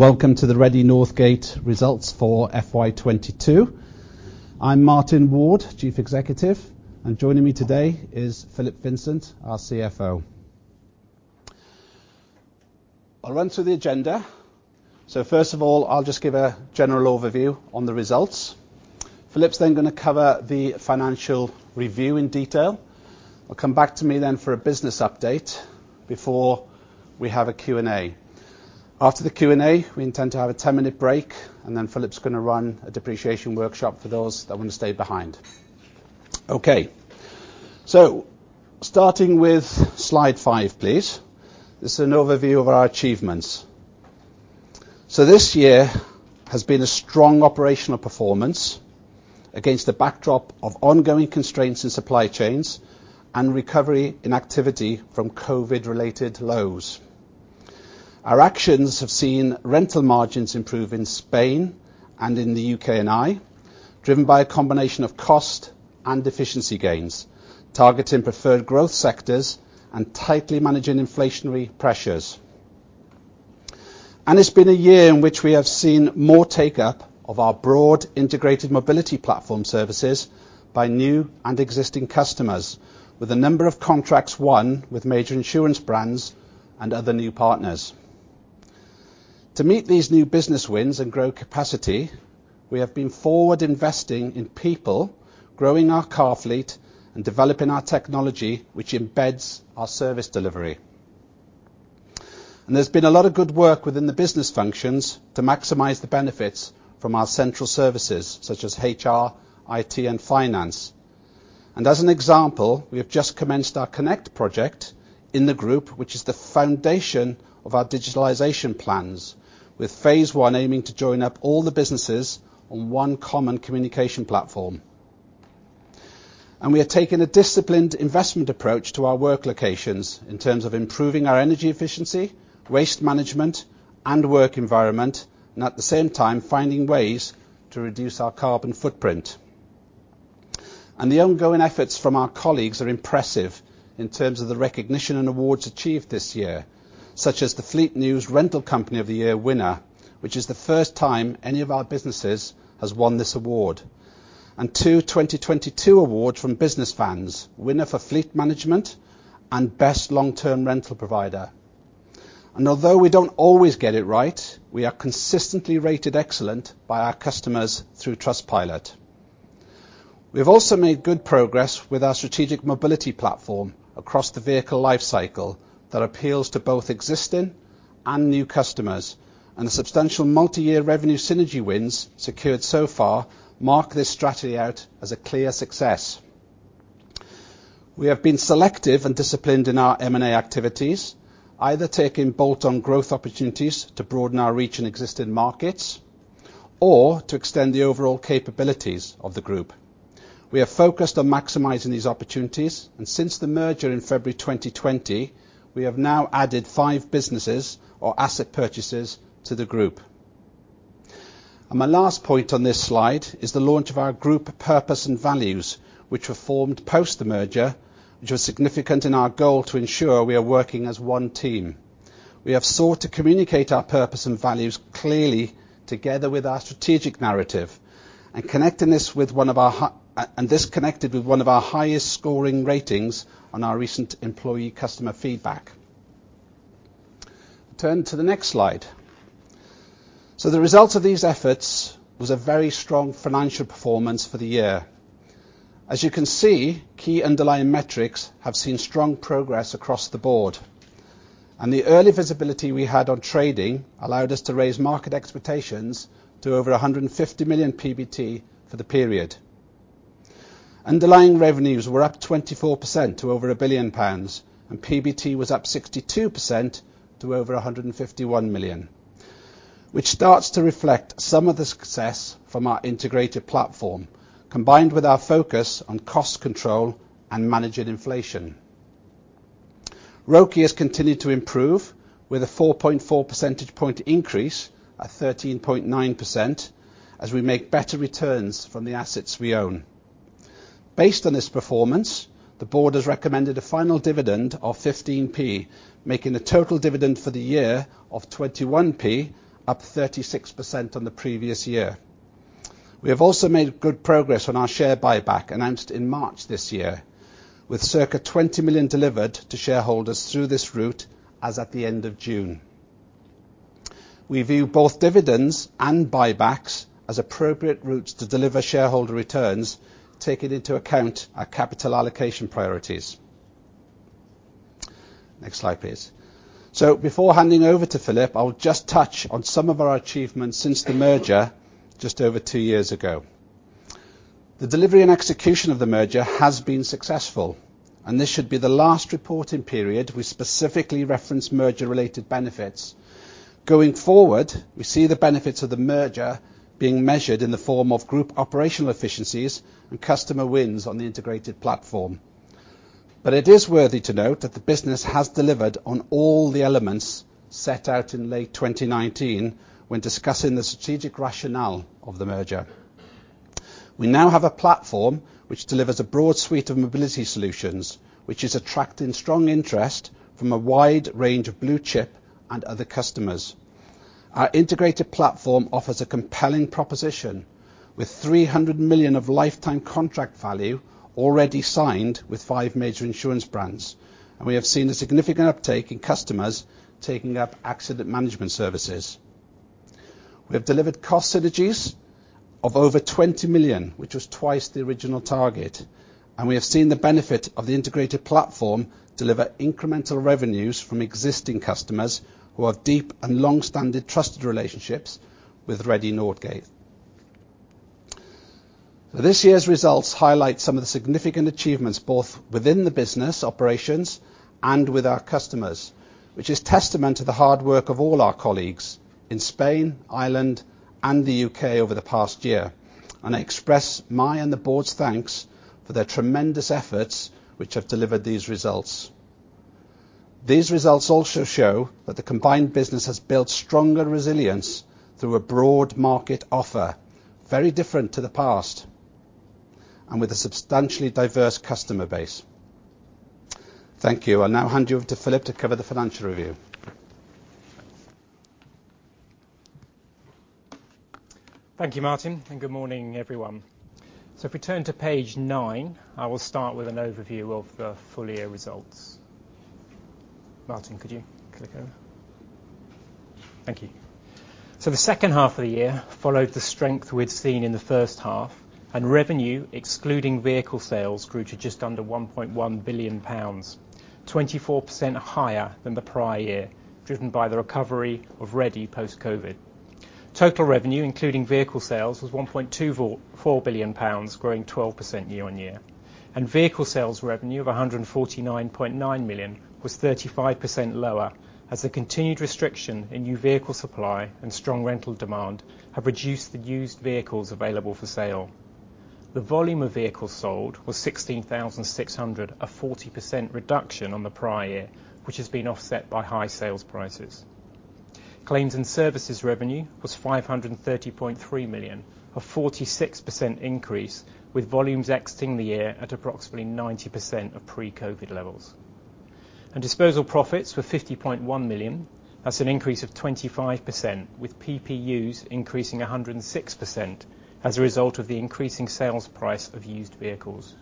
Welcome to the Redde Northgate results for FY 2022. I'm Martin Ward, Chief Executive, and joining me today is Philip Vincent, our CFO. I'll run through the agenda. First of all, I'll just give a general overview on the results. Philip's then gonna cover the financial review in detail. We'll come back to me then for a business update before we have a Q&A. After the Q&A, we intend to have a 10-minute break, and then Philip's gonna run a depreciation workshop for those that want to stay behind. Okay. Starting with slide five, please. This is an overview of our achievements. This year has been a strong operational performance against the backdrop of ongoing constraints in supply chains and recovery in activity from COVID-related lows. Our actions have seen rental margins improve in Spain and in the U.K. and Ireland, driven by a combination of cost and efficiency gains, targeting preferred growth sectors and tightly managing inflationary pressures. It's been a year in which we have seen more take up of our broad integrated mobility platform services by new and existing customers, with a number of contracts won with major insurance brands and other new partners. To meet these new business wins and grow capacity, we have been forward investing in people, growing our car fleet, and developing our technology, which embeds our service delivery. There's been a lot of good work within the business functions to maximize the benefits from our central services such as HR, IT, and finance. As an example, we have just commenced our Connect project in the group, which is the foundation of our digitalization plans, with phase one aiming to join up all the businesses on one common communication platform. We are taking a disciplined investment approach to our work locations in terms of improving our energy efficiency, waste management, and work environment, and at the same time finding ways to reduce our carbon footprint. The ongoing efforts from our colleagues are impressive in terms of the recognition and awards achieved this year, such as the Fleet News Rental Company of the Year winner, which is the first time any of our businesses has won this award, and two 2022 awards from Business Vans, winner for fleet management and best long-term rental provider. Although we don't always get it right, we are consistently rated excellent by our customers through Trustpilot. We have also made good progress with our strategic mobility platform across the vehicle life cycle that appeals to both existing and new customers, and the substantial multiyear revenue synergy wins secured so far mark this strategy out as a clear success. We have been selective and disciplined in our M&A activities, either taking bolt-on growth opportunities to broaden our reach in existing markets or to extend the overall capabilities of the group. We are focused on maximizing these opportunities, and since the merger in February 2020, we have now added five businesses or asset purchases to the group. My last point on this slide is the launch of our group purpose and values, which were formed post the merger, which was significant in our goal to ensure we are working as one team. We have sought to communicate our purpose and values clearly together with our strategic narrative and this connected with one of our highest scoring ratings on our recent employee customer feedback. Turn to the next slide. The results of these efforts was a very strong financial performance for the year. As you can see, key underlying metrics have seen strong progress across the board. The early visibility we had on trading allowed us to raise market expectations to over 150 million PBT for the period. Underlying revenues were up 24% to over 1 billion pounds, and PBT was up 62% to over 151 million, which starts to reflect some of the success from our integrated platform, combined with our focus on cost control and managing inflation. ROCE has continued to improve with a 4.4 percentage point increase at 13.9% as we make better returns from the assets we own. Based on this performance, the board has recommended a final dividend of 15p, making the total dividend for the year of 21p, up 36% on the previous year. We have also made good progress on our share buyback announced in March this year, with circa 20 million delivered to shareholders through this route as at the end of June. We view both dividends and buybacks as appropriate routes to deliver shareholder returns, taking into account our capital allocation priorities. Next slide, please. Before handing over to Philip, I will just touch on some of our achievements since the merger just over two years ago. The delivery and execution of the merger has been successful, and this should be the last reporting period we specifically reference merger-related benefits. Going forward, we see the benefits of the merger being measured in the form of group operational efficiencies and customer wins on the integrated platform. It is worthy to note that the business has delivered on all the elements set out in late 2019 when discussing the strategic rationale of the merger. We now have a platform which delivers a broad suite of mobility solutions, which is attracting strong interest from a wide range of blue-chip and other customers. Our integrated platform offers a compelling proposition with 300 million of lifetime contract value al signed with five major insurance brands, and we have seen a significant uptake in customers taking up accident management services. We have delivered cost synergies of over 20 million, which was twice the original target, and we have seen the benefit of the integrated platform deliver incremental revenues from existing customers who have deep and long-standing trusted relationships with Redde Northgate. This year's results highlight some of the significant achievements, both within the business operations and with our customers, which is testament to the hard work of all our colleagues in Spain, Ireland and the U.K. over the past year. I express my and the board's thanks for their tremendous efforts which have delivered these results. These results also show that the combined business has built stronger resilience through a broad market offer, very different to the past, and with a substantially diverse customer base. Thank you. I now hand you over to Philip to cover the financial review. Thank you, Martin, and good morning everyone. If we turn to page nine, I will start with an overview of the full year results. Martin, could you click over? Thank you. The second half of the year followed the strength we'd seen in the first half, and revenue, excluding vehicle sales, grew to just under 1.1 billion pounds, 24% higher than the prior year, driven by the recovery of Redde post-COVID. Total revenue, including vehicle sales, was 1.24 billion pounds, growing 12% year-on-year. Vehicle sales revenue of 149.9 million was 35% lower as the continued restriction in new vehicle supply and strong rental demand have reduced the used vehicles available for sale. The volume of vehicles sold was 16,600, a 40% reduction on the prior year, which has been offset by high sales prices. Claims and services revenue was 530.3 million, a 46% increase, with volumes exiting the year at approximately 90% of pre-COVID levels. Disposal profits were 50.1 million. That's an increase of 25%, with PPUs increasing 106% as a result of the increasing sales price of used vehicles.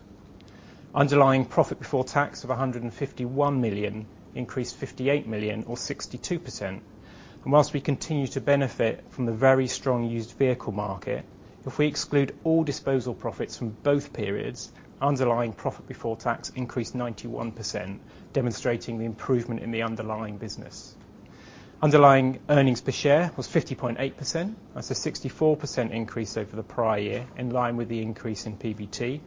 Underlying profit before tax of 151 million increased 58 million or 62%. While we continue to benefit from the very strong used vehicle market, if we exclude all disposal profits from both periods, underlying profit before tax increased 91%, demonstrating the improvement in the underlying business. Underlying earnings per share was 50.8%. That's a 64% increase over the prior year, in line with the increase in PBT.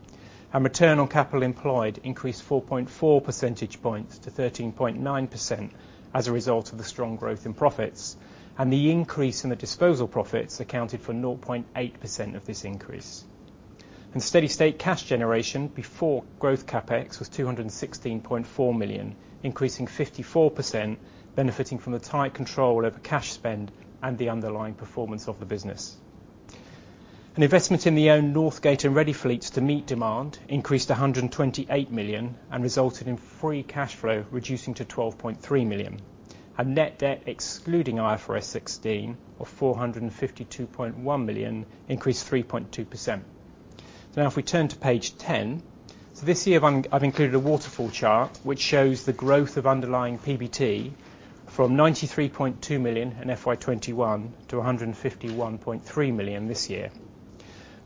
Return on capital employed increased 4.4 percentage points to 13.9% as a result of the strong growth in profits. The increase in the disposal profits accounted for 0.8% of this increase. Steady-state cash generation before growth CapEx was 216.4 million, increasing 54%, benefiting from the tight control over cash spend and the underlying performance of the business. An investment in the owned Northgate and Redde fleets to meet demand increased 128 million, and resulted in free cash flow reducing to 12.3 million. Our net debt, excluding IFRS 16 of 452.1 million, increased 3.2%. Now, if we turn to page ten. This year I've included a waterfall chart which shows the growth of underlying PBT from 93.2 million in FY 2021 to 151.3 million this year.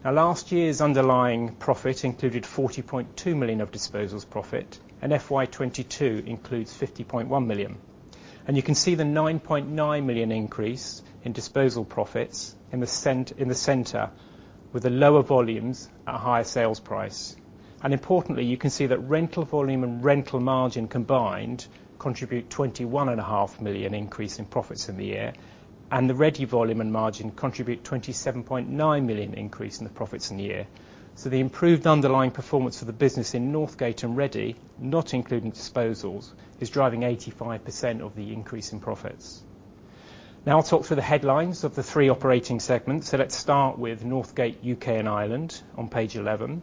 Now last year's underlying profit included 40.2 million of disposals profit, and FY 2022 includes 50.1 million. You can see the 9.9 million increase in disposal profits in the center with the lower volumes at a higher sales price. Importantly, you can see that rental volume and rental margin combined contribute 21.5 million increase in profits in the year, and the Redde volume and margin contribute 27.9 million increase in the profits in the year. The improved underlying performance for the business in Northgate and Redde, not including disposals, is driving 85% of the increase in profits. Now I'll talk through the headlines of the three operating segments. Let's start with Northgate U.K. and Ireland on page 11.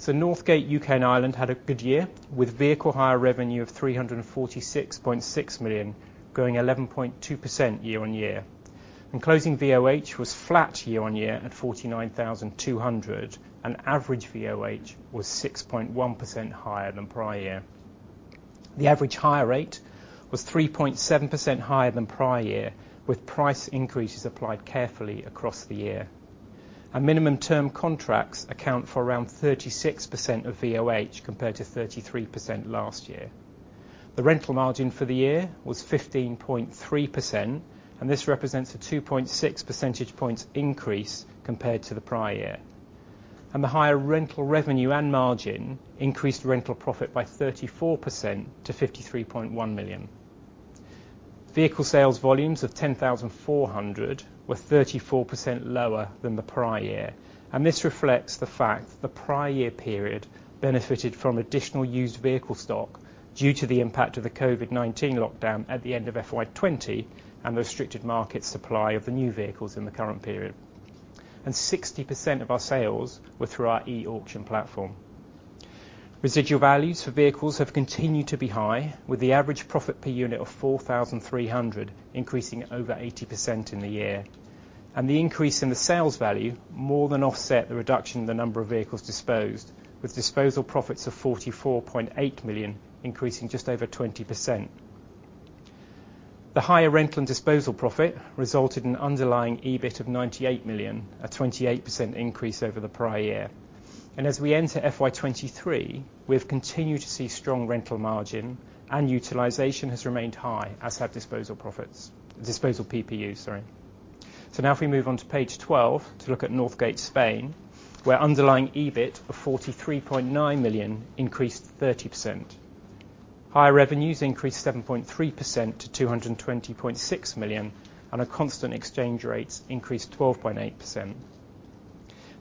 Northgate U.K. and Ireland had a good year with vehicle hire revenue of 346.6 million, growing 11.2% year-on-year. Closing VOH was flat year-on-year at 49,200, and average VOH was 6.1% higher than prior year. The average hire rate was 3.7% higher than prior year, with price increases applied carefully across the year. Minimum term contracts account for around 36% of VOH compared to 33% last year. The rental margin for the year was 15.3%, and this represents a 2.6 percentage points increase compared to the prior year. The higher rental revenue and margin increased rental profit by 34% to 53.1 million. Vehicle sales volumes of 10,400 were 34% lower than the prior year, and this reflects the fact that the prior year period benefited from additional used vehicle stock due to the impact of the COVID-19 lockdown at the end of FY 2020 and the restricted market supply of the new vehicles in the current period. 60% of our sales were through our e-auction platform. Residual values for vehicles have continued to be high, with the average profit per unit of 4,300 increasing at over 80% in the year. The increase in the sales value more than offset the reduction in the number of vehicles disposed, with disposal profits of 44.8 million increasing just over 20%. The higher rental and disposal profit resulted in underlying EBIT of 98 million, a 28% increase over the prior year. As we enter FY 2023, we have continued to see strong rental margin and utilization has remained high, as have disposal PPUs. Now if we move on to page 12 to look at Northgate Spain, where underlying EBIT of 43.9 million increased 30%. Higher revenues increased 7.3% to 220.6 million on a constant exchange rate increased 12.8%.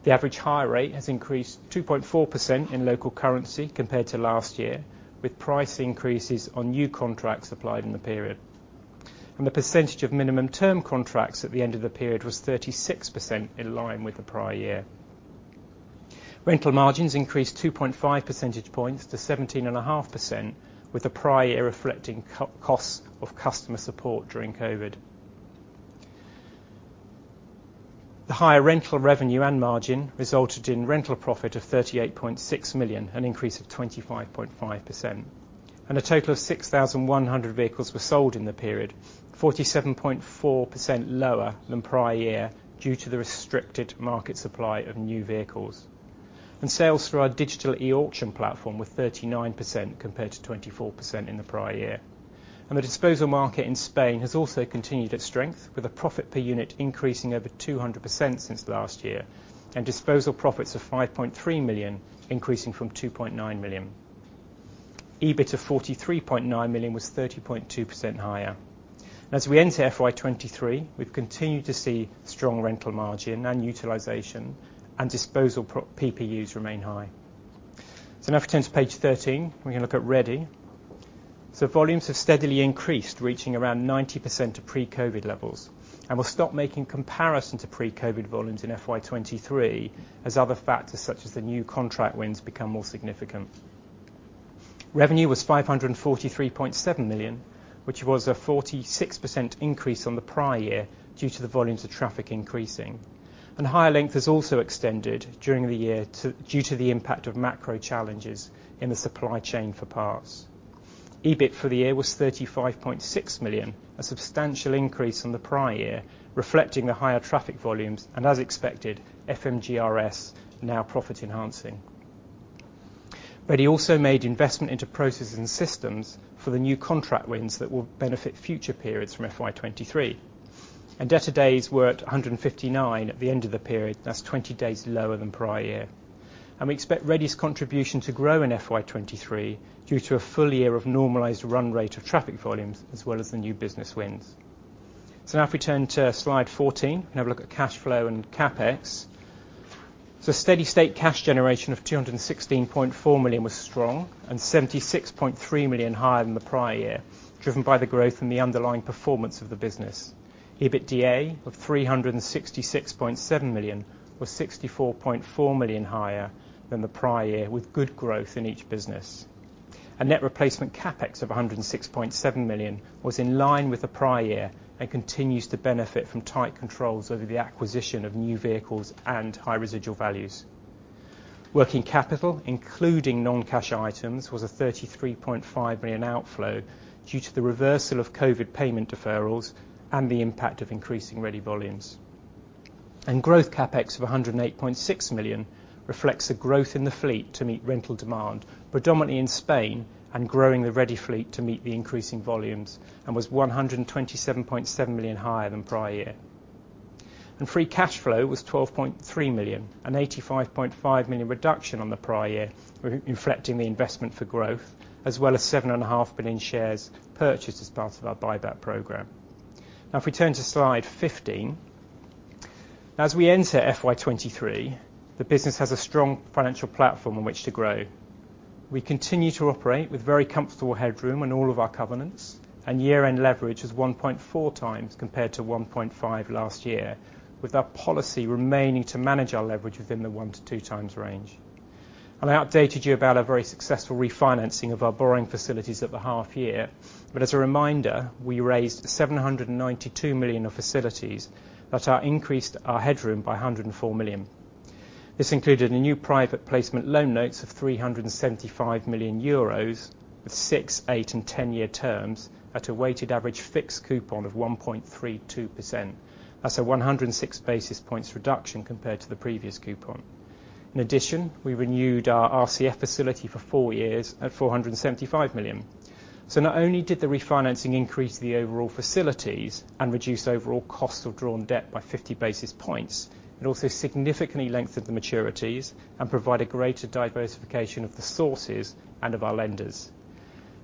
The average hire rate has increased 2.4% in local currency compared to last year, with price increases on new contracts applied in the period. The percentage of minimum term contracts at the end of the period was 36% in line with the prior year. Rental margins increased 2.5 percentage points to 17.5%, with the prior year reflecting co-costs of customer support during COVID. The higher rental revenue and margin resulted in rental profit of 38.6 million, an increase of 25.5%, and a total of 6,100 vehicles were sold in the period, 47.4% lower than prior year due to the restricted market supply of new vehicles. Sales through our digital e-auction platform were 39% compared to 24% in the prior year. The disposal market in Spain has also continued its strength, with a profit per unit increasing over 200% since last year, and disposal profits of 5.3 million increasing from 2.9 million. EBIT of 43.9 million was 30.2% higher. As we enter FY 2023, we've continued to see strong rental margin and utilization and disposal PPUs remain high. Now if you turn to page 13, we're gonna look at Redde . Volumes have steadily increased, reaching around 90% of pre-COVID levels. We'll stop making comparison to pre-COVID volumes in FY 2023 as other factors such as the new contract wins become more significant. Revenue was 543.7 million, which was a 46% increase on the prior year due to the volumes of traffic increasing. Hire length has also extended during the year due to the impact of macro challenges in the supply chain for parts. EBIT for the year was 35.6 million, a substantial increase on the prior year, reflecting the higher traffic volumes and as expected, FMG RS now profit enhancing. Redde also made investment into processes and systems for the new contract wins that will benefit future periods from FY 2023. Debtor days were at 159 at the end of the period. That's 20 days lower than prior year. We expect Redde 's contribution to grow in FY 2023 due to a full year of normalized run rate of traffic volumes, as well as the new business wins. Now if we turn to slide 14 and have a look at cash flow and CapEx. Steady-state cash generation of 216.4 million was strong and 76.3 million higher than the prior year, driven by the growth in the underlying performance of the business. EBITDA of 366.7 million was 64.4 million higher than the prior year, with good growth in each business. A net replacement CapEx of 106.7 million was in line with the prior year and continues to benefit from tight controls over the acquisition of new vehicles and high residual values. Working capital, including non-cash items, was a 33.5 million outflow due to the reversal of COVID payment deferrals and the impact of increasing Redde volumes. Growth CapEx of 108.6 million reflects the growth in the fleet to meet rental demand, predominantly in Spain and growing the Redde fleet to meet the increasing volumes and was 127.7 million higher than prior year. Free cash flow was 12.3 million, a 85.5 million reduction on the prior year, reflecting the investment for growth, as well as 7.5 million shares purchased as part of our buyback program. Now if we turn to slide 15. As we enter FY 2023, the business has a strong financial platform on which to grow. We continue to operate with very comfortable headroom on all of our covenants, and year-end leverage is 1.4x compared to 1.5x last year, with our policy remaining to manage our leverage within the 1x-2x range. I updated you about our very successful refinancing of our borrowing facilities at the half year. As a reminder, we raised 792 million of facilities that increased our headroom by 104 million. This included a new private placement loan notes of 375 million euros with six, eight, and 10-year terms at a weighted average fixed coupon of 1.32%. That's a 106 basis points reduction compared to the previous coupon. In addition, we renewed our RCF facility for four years at 475 million. Not only did the refinancing increase the overall facilities and reduce overall cost of drawn debt by 50 basis points, it also significantly lengthened the maturities and provide a greater diversification of the sources and of our lenders.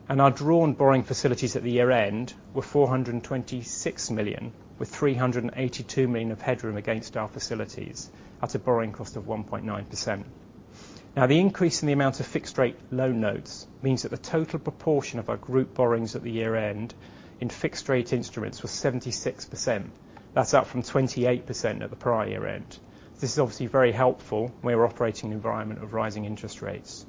Our drawn borrowing facilities at the year-end were 426 million, with 382 million of headroom against our facilities at a borrowing cost of 1.9%. The increase in the amount of fixed rate loan notes means that the total proportion of our group borrowings at the year end in fixed rate instruments was 76%. That's up from 28% at the prior year end. This is obviously very helpful where we're operating in an environment of rising interest rates.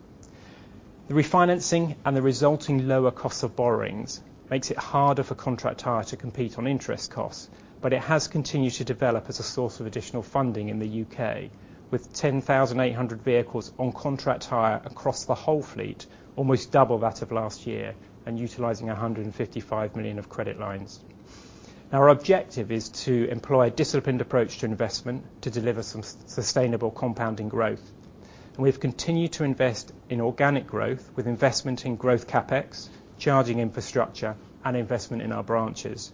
The refinancing and the resulting lower cost of borrowings makes it harder for contract hire to compete on interest costs, but it has continued to develop as a source of additional funding in the U.K. with 10,800 vehicles on contract hire across the whole fleet, almost double that of last year, and utilizing 155 million of credit lines. Now, our objective is to employ a disciplined approach to investment to deliver some sustainable compounding growth. We've continued to invest in organic growth with investment in growth CapEx, charging infrastructure and investment in our branches.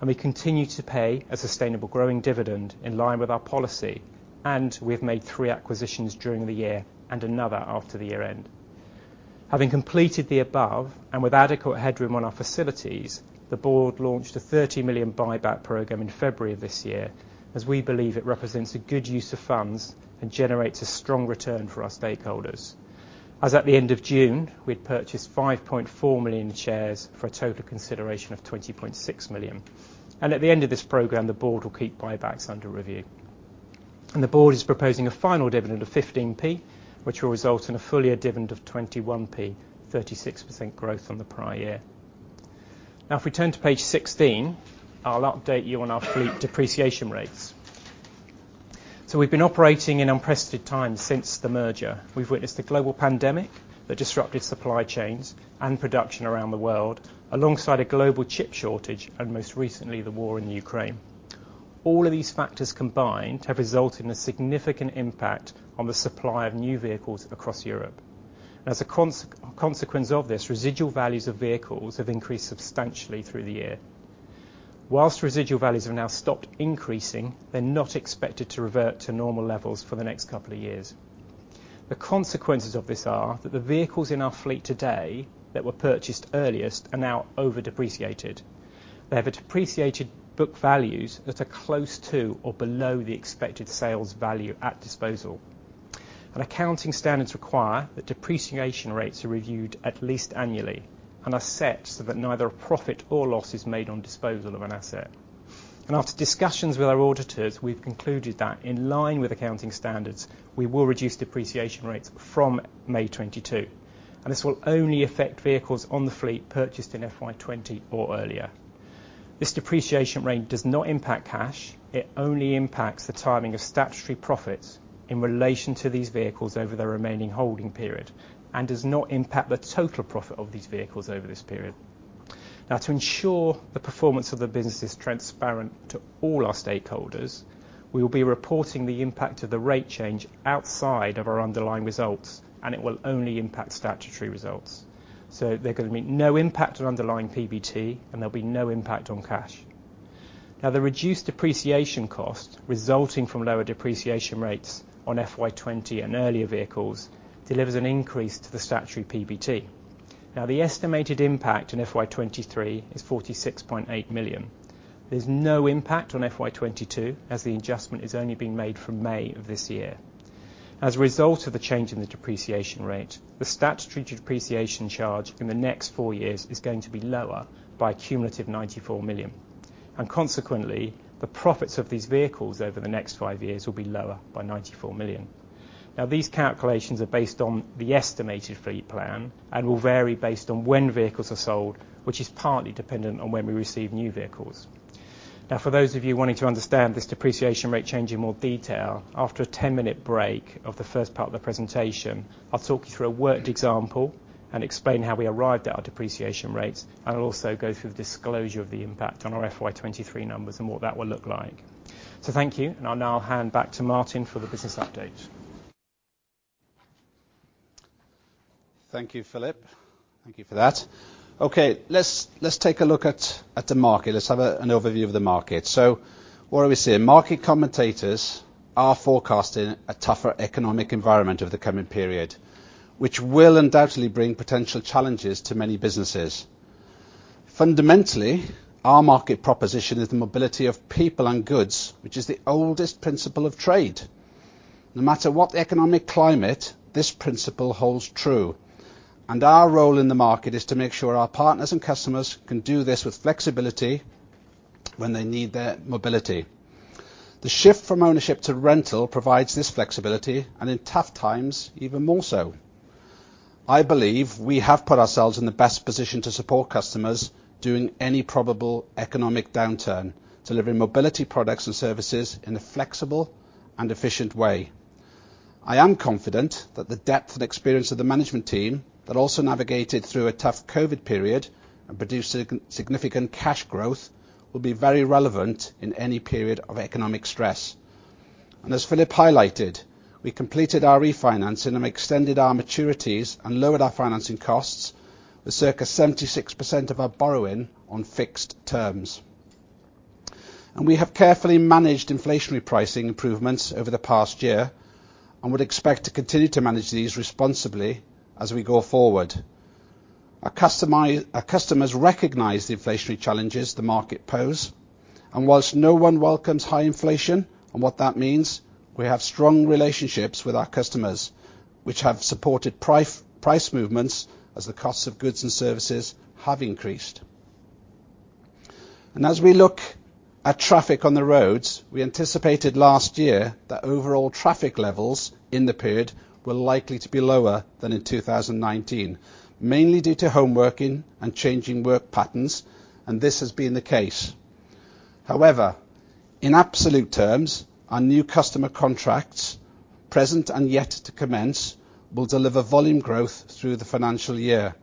We continue to pay a sustainable growing dividend in line with our policy, and we have made three acquisitions during the year and another after the year-end. Having completed the above and with adequate headroom on our facilities, the board launched a 30 million buyback program in February of this year, as we believe it represents a good use of funds and generates a strong return for our stakeholders. As at the end of June, we'd purchased 5.4 million shares for a total consideration of 20.6 million. At the end of this program, the board will keep buybacks under review. The board is proposing a final dividend of 15%, which will result in a full-year dividend of 21%, 36% growth on the prior year. Now, if we turn to page 16, I'll update you on our fleet depreciation rates. We've been operating in unprecedented times since the merger. We've witnessed a global pandemic that disrupted supply chains and production around the world, alongside a global chip shortage and most recently, the war in Ukraine. All of these factors combined have resulted in a significant impact on the supply of new vehicles across Europe. As a consequence of this, residual values of vehicles have increased substantially through the year. While residual values have now stopped increasing, they're not expected to revert to normal levels for the next couple of years. The consequences of this are that the vehicles in our fleet today that were purchased earliest are now over-depreciated. They have a depreciated book values that are close to or below the expected sales value at disposal. Accounting standards require that depreciation rates are reviewed at least annually, and are set so that neither a profit or loss is made on disposal of an asset. After discussions with our auditors, we've concluded that in line with accounting standards, we will reduce depreciation rates from May 2022, and this will only affect vehicles on the fleet purchased in FY 2020 or earlier. This depreciation rate does not impact cash. It only impacts the timing of statutory profits in relation to these vehicles over their remaining holding period, and does not impact the total profit of these vehicles over this period. Now, to ensure the performance of the business is transparent to all our stakeholders, we will be reporting the impact of the rate change outside of our underlying results, and it will only impact statutory results. There's gonna be no impact on underlying PBT and there'll be no impact on cash. Now, the reduced depreciation cost resulting from lower depreciation rates on FY 2020 and earlier vehicles delivers an increase to the statutory PBT. Now, the estimated impact in FY 2023 is 46.8 million. There's no impact on FY 2022, as the adjustment is only being made from May of this year. As a result of the change in the depreciation rate, the statutory depreciation charge in the next four years is going to be lower by a cumulative 94 million. Consequently, the profits of these vehicles over the next five years will be lower by 94 million. Now, these calculations are based on the estimated fleet plan and will vary based on when vehicles are sold, which is partly dependent on when we receive new vehicles. Now, for those of you wanting to understand this depreciation rate change in more detail, after a 10-minute break of the first part of the presentation, I'll talk you through a worked example and explain how we arrived at our depreciation rates. I'll also go through the disclosure of the impact on our FY23 numbers and what that will look like. Thank you. I'll now hand back to Martin for the business update. Thank you, Philip. Thank you for that. Okay. Let's take a look at the market. Let's have an overview of the market. What are we seeing? Market commentators are forecasting a tougher economic environment over the coming period, which will undoubtedly bring potential challenges to many businesses. Fundamentally, our market proposition is the mobility of people and goods, which is the oldest principle of trade. No matter what the economic climate, this principle holds true, and our role in the market is to make sure our partners and customers can do this with flexibility when they need that mobility. The shift from ownership to rental provides this flexibility, and in tough times, even more so. I believe we have put ourselves in the best position to support customers during any probable economic downturn, delivering mobility products and services in a flexible and efficient way. I am confident that the depth and experience of the management team that also navigated through a tough COVID period and produced significant cash growth will be very relevant in any period of economic stress. As Philip highlighted, we completed our refinancing and extended our maturities and lowered our financing costs with circa 76% of our borrowing on fixed terms. We have carefully managed inflationary pricing improvements over the past year and would expect to continue to manage these responsibly as we go forward. Our customers recognize the inflationary challenges the market pose, and while no one welcomes high inflation and what that means, we have strong relationships with our customers, which have supported price movements as the costs of goods and services have increased. As we look at traffic on the roads, we anticipated last year that overall traffic levels in the period were likely to be lower than in 2019, mainly due to homeworking and changing work patterns, and this has been the case. However, in absolute terms, our new customer contracts, present and yet to commence, will deliver volume growth through the financial year.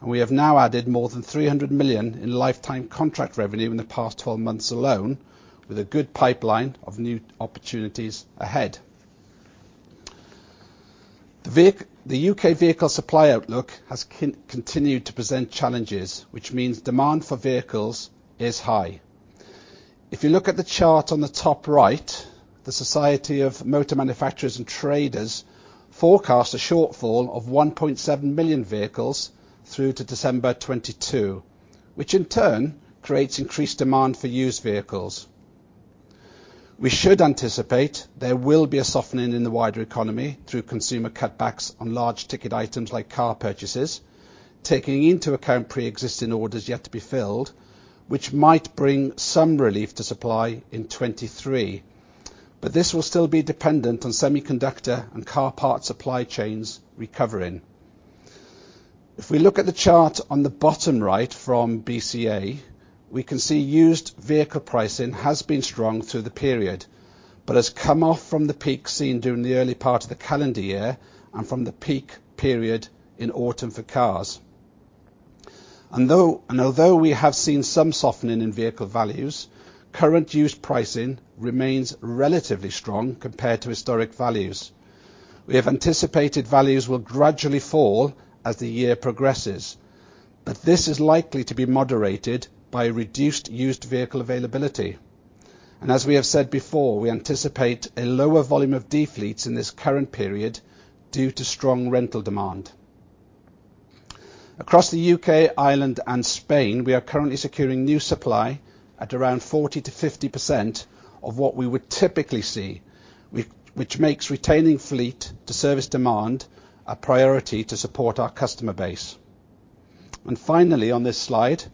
We have now added more than 300 million in lifetime contract revenue in the past 12 months alone, with a good pipeline of new opportunities ahead. The UK vehicle supply outlook has continued to present challenges, which means demand for vehicles is high. If you look at the chart on the top right, the Society of Motor Manufacturers and Traders forecast a shortfall of 1.7 million vehicles through to December 2022, which in turn creates increased demand for used vehicles. We should anticipate there will be a softening in the wider economy through consumer cutbacks on large ticket items like car purchases, taking into account preexisting orders yet to be filled, which might bring some relief to supply in 2023. This will still be dependent on semiconductor and car parts supply chains recovering. If we look at the chart on the bottom right from BCA, we can see used vehicle pricing has been strong through the period but has come off from the peak seen during the early part of the calendar year and from the peak period in autumn for cars. Although we have seen some softening in vehicle values, current used pricing remains relatively strong compared to historic values. We have anticipated values will gradually fall as the year progresses, but this is likely to be moderated by reduced used vehicle availability. As we have said before, we anticipate a lower volume of de-fleets in this current period due to strong rental demand. Across the U.K., Ireland and Spain, we are currently securing new supply at around 40%-50% of what we would typically see, which makes retaining fleet to service demand a priority to support our customer base. Finally on this slide,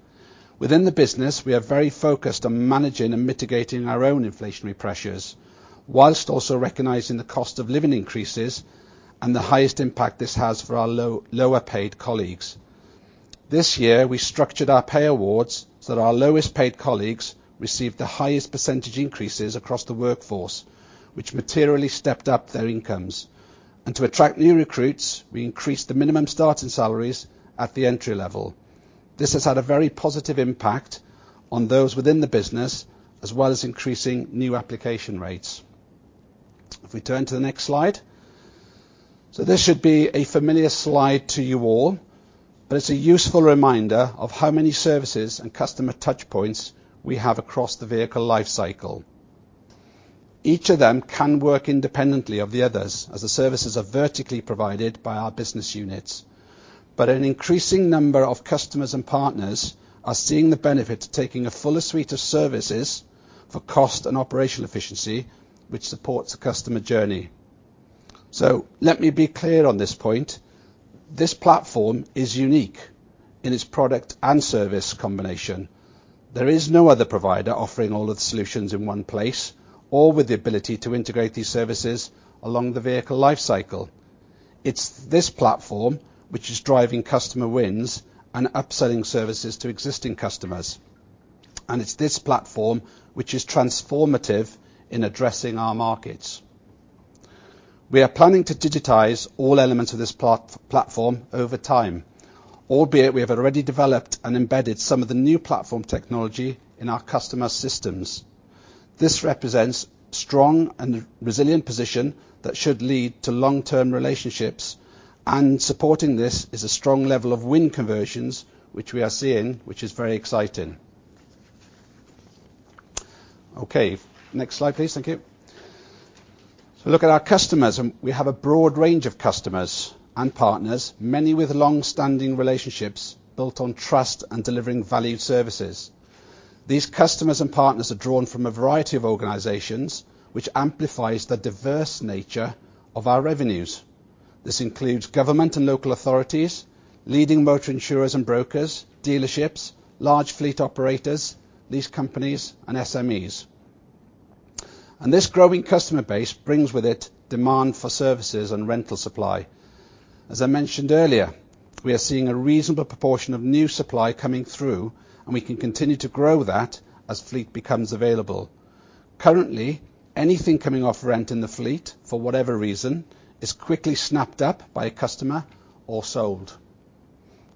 within the business, we are very focused on managing and mitigating our own inflationary pressures while also recognizing the cost of living increases and the highest impact this has for our lower paid colleagues. This year, we structured our pay awards so that our lowest paid colleagues received the highest percentage increases across the workforce, which materially stepped up their incomes. To attract new recruits, we increased the minimum starting salaries at the entry level. This has had a very positive impact on those within the business, as well as increasing new application rates. If we turn to the next slide. This should be a familiar slide to you all, but it's a useful reminder of how many services and customer touchpoints we have across the vehicle life cycle. Each of them can work independently of the others as the services are vertically provided by our business units. An increasing number of customers and partners are seeing the benefit to taking a fuller suite of services for cost and operational efficiency, which supports the customer journey. Let me be clear on this point. This platform is unique in its product and service combination. There is no other provider offering all of the solutions in one place or with the ability to integrate these services along the vehicle life cycle. It's this platform which is driving customer wins and upselling services to existing customers, and it's this platform which is transformative in addressing our markets. We are planning to digitize all elements of this platform over time, albeit we have already developed and embedded some of the new platform technology in our customer systems. This represents strong and resilient position that should lead to long-term relationships, and supporting this is a strong level of win conversions which we are seeing, which is very exciting. Okay, next slide, please. Thank you. Look at our customers, and we have a broad range of customers and partners, many with long-standing relationships built on trust and delivering valued services. These customers and partners are drawn from a variety of organizations, which amplifies the diverse nature of our revenues. This includes government and local authorities, leading motor insurers and brokers, dealerships, large fleet operators, lease companies and SMEs. This growing customer base brings with it demand for services and rental supply. As I mentioned earlier, we are seeing a reasonable proportion of new supply coming through, and we can continue to grow that as fleet becomes available. Currently, anything coming off rent in the fleet, for whatever reason, is quickly snapped up by a customer or sold.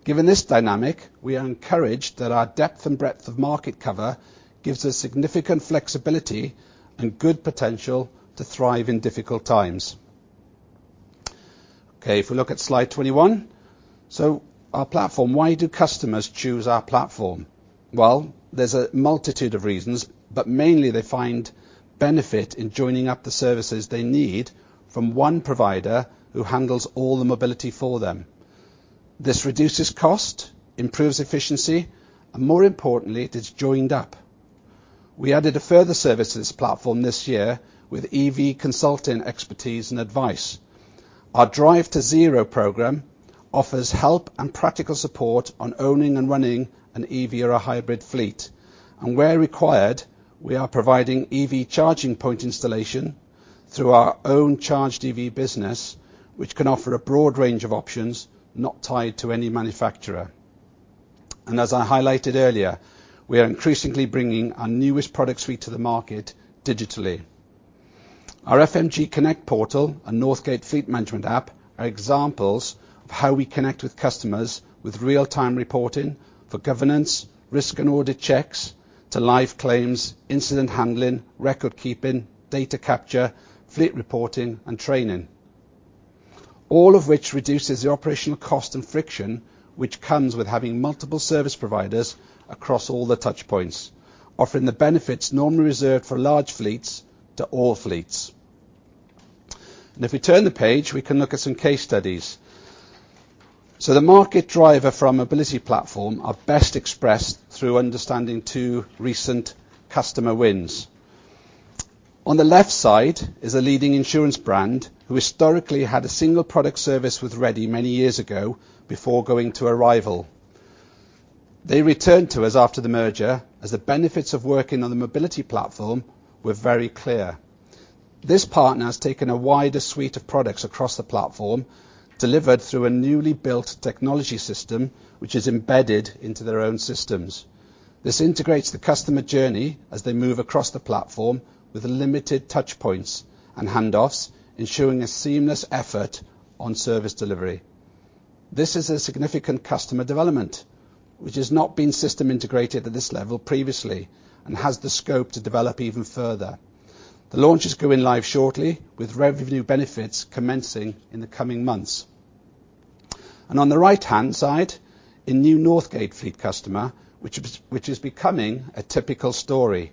Given this dynamic, we are encouraged that our depth and breadth of market cover gives us significant flexibility and good potential to thrive in difficult times. Okay, if we look at slide 21. Our platform, why do customers choose our platform? Well, there's a multitude of reasons, but mainly they find benefit in joining up the services they need from one provider who handles all the mobility for them. This reduces cost, improves efficiency, and more importantly, it is joined up. We added a further services platform this year with EV consulting expertise and advice. Our Drive to Zero program offers help and practical support on owning and running an EV or a hybrid fleet. Where required, we are providing EV charging point installation through our own Charge EV business, which can offer a broad range of options not tied to any manufacturer. As I highlighted earlier, we are increasingly bringing our newest product suite to the market digitally. Our FMG Connect portal and Northgate Fleet Management app are examples of how we connect with customers with real-time reporting for governance, risk and audit checks to live claims, incident handling, record keeping, data capture, fleet reporting and training, all of which reduces the operational cost and friction, which comes with having multiple service providers across all the touchpoints, offering the benefits normally reserved for large fleets to all fleets. If we turn the page, we can look at some case studies. The market driver from mobility platform are best expressed through understanding two recent customer wins. On the left side is a leading insurance brand who historically had a single product service with Redde many years ago before going to a rival. They returned to us after the merger as the benefits of working on the mobility platform were very clear. This partner has taken a wider suite of products across the platform, delivered through a newly built technology system, which is embedded into their own systems. This integrates the customer journey as they move across the platform with limited touch points and handoffs, ensuring a seamless effort on service delivery. This is a significant customer development which has not been system integrated at this level previously and has the scope to develop even further. The launch is going live shortly, with revenue benefits commencing in the coming months. On the right-hand side, a new Northgate Fleet customer, which is becoming a typical story.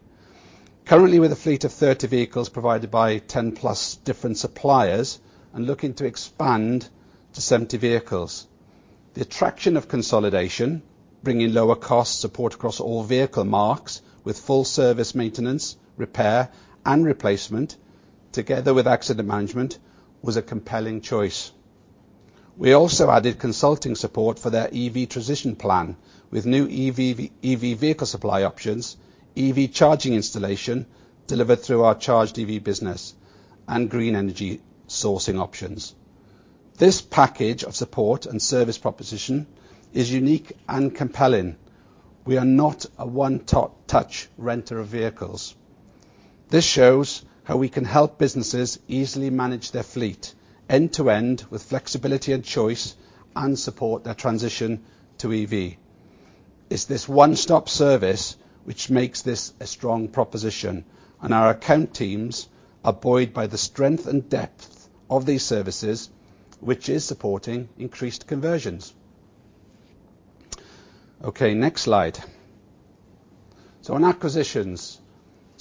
Currently, with a fleet of 30 vehicles provided by 10+ different suppliers and looking to expand to 70 vehicles. The attraction of consolidation, bringing lower cost support across all vehicle makes with full service maintenance, repair and replacement, together with accident management, was a compelling choice. We also added consulting support for their EV transition plan with new EV vehicle supply options, EV charging installation delivered through our Charge EV business and green energy sourcing options. This package of support and service proposition is unique and compelling. We are not a one-touch renter of vehicles. This shows how we can help businesses easily manage their fleet end-to-end with flexibility and choice and support their transition to EV. It's this one-stop service which makes this a strong proposition, and our account teams are buoyed by the strength and depth of these services, which is supporting increased conversions. Okay, next slide. On acquisitions.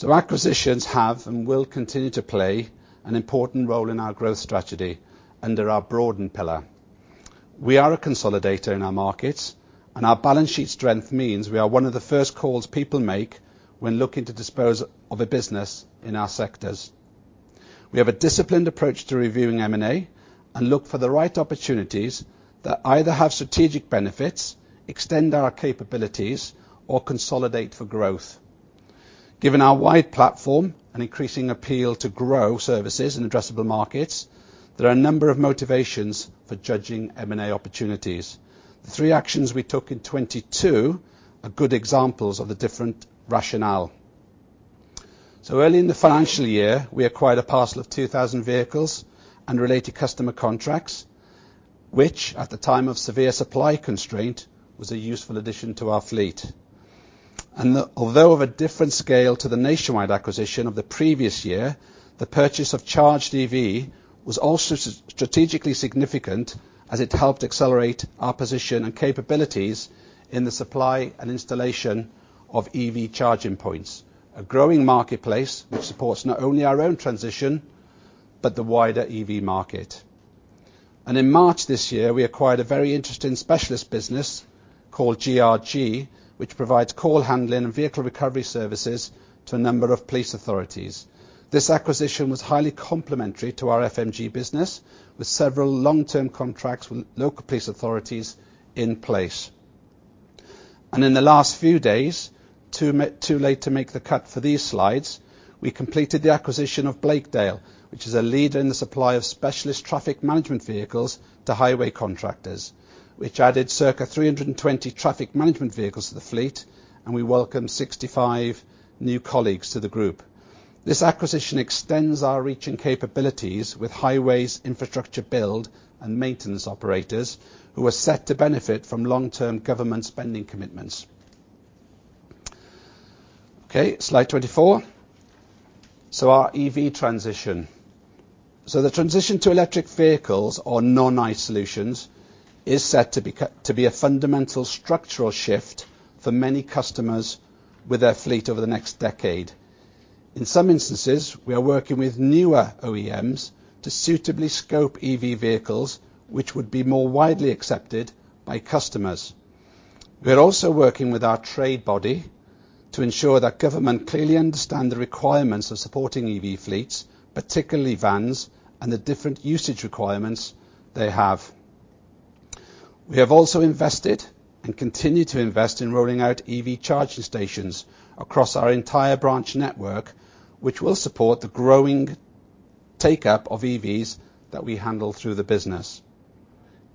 Acquisitions have and will continue to play an important role in our growth strategy under our broadened pillar. We are a consolidator in our markets, and our balance sheet strength means we are one of the first calls people make when looking to dispose of a business in our sectors. We have a disciplined approach to reviewing M&A and look for the right opportunities that either have strategic benefits, extend our capabilities or consolidate for growth. Given our wide platform and increasing appeal to grow services in addressable markets, there are a number of motivations for judging M&A opportunities. The three actions we took in 2022 are good examples of the different rationale. Early in the financial year, we acquired a parcel of 2,000 vehicles and related customer contracts, which at the time of severe supply constraint, was a useful addition to our fleet. Although of a different scale to the nationwide acquisition of the previous year, the purchase of Charge EV was also strategically significant as it helped accelerate our position and capabilities in the supply and installation of EV charging points, a growing marketplace which supports not only our own transition, but the wider EV market. In March this year, we acquired a very interesting specialist business called GRG, which provides call handling and vehicle recovery services to a number of police authorities. This acquisition was highly complementary to our FMG business, with several long-term contracts with local police authorities in place. In the last few days, too late to make the cut for these slides, we completed the acquisition of Blakedale, which is a leader in the supply of specialist traffic management vehicles to highway contractors, which added circa 320 traffic management vehicles to the fleet, and we welcome 65 new colleagues to the group. This acquisition extends our reach and capabilities with highways infrastructure build and maintenance operators who are set to benefit from long-term government spending commitments. Okay, slide 24. Our EV transition. The transition to electric vehicles or non-ICE solutions is set to be a fundamental structural shift for many customers with their fleet over the next decade. In some instances, we are working with newer OEMs to suitably scope EV vehicles, which would be more widely accepted by customers. We're also working with our trade body to ensure that government clearly understand the requirements of supporting EV fleets, particularly vans, and the different usage requirements they have. We have also invested and continue to invest in rolling out EV charging stations across our entire branch network, which will support the growing take-up of EVs that we handle through the business.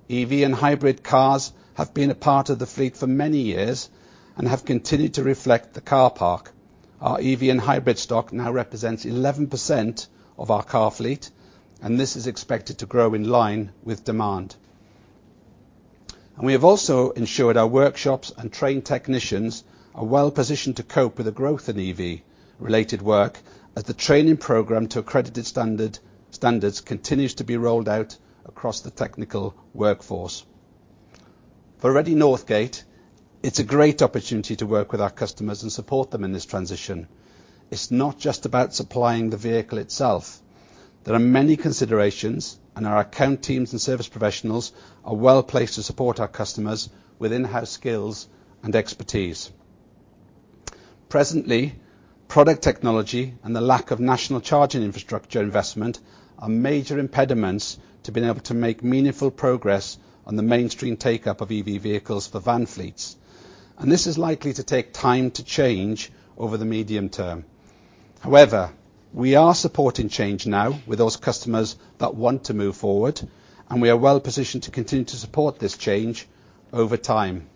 EV and hybrid cars have been a part of the fleet for many years and have continued to reflect the car park. Our EV and hybrid stock now represents 11% of our car fleet, and this is expected to grow in line with demand. We have also ensured our workshops and trained technicians are well-positioned to cope with the growth in EV-related work, as the training program to accredited standards continues to be rolled out across the technical workforce. For Redde Northgate, it's a great opportunity to work with our customers and support them in this transition. It's not just about supplying the vehicle itself. There are many considerations, and our account teams and service professionals are well-placed to support our customers with in-house skills and expertise. Presently, product technology and the lack of national charging infrastructure investment are major impediments to being able to make meaningful progress on the mainstream take-up of EV vehicles for van fleets. This is likely to take time to change over the medium term. However, we are supporting change now with those customers that want to move forward, and we are well positioned to continue to support this change over time.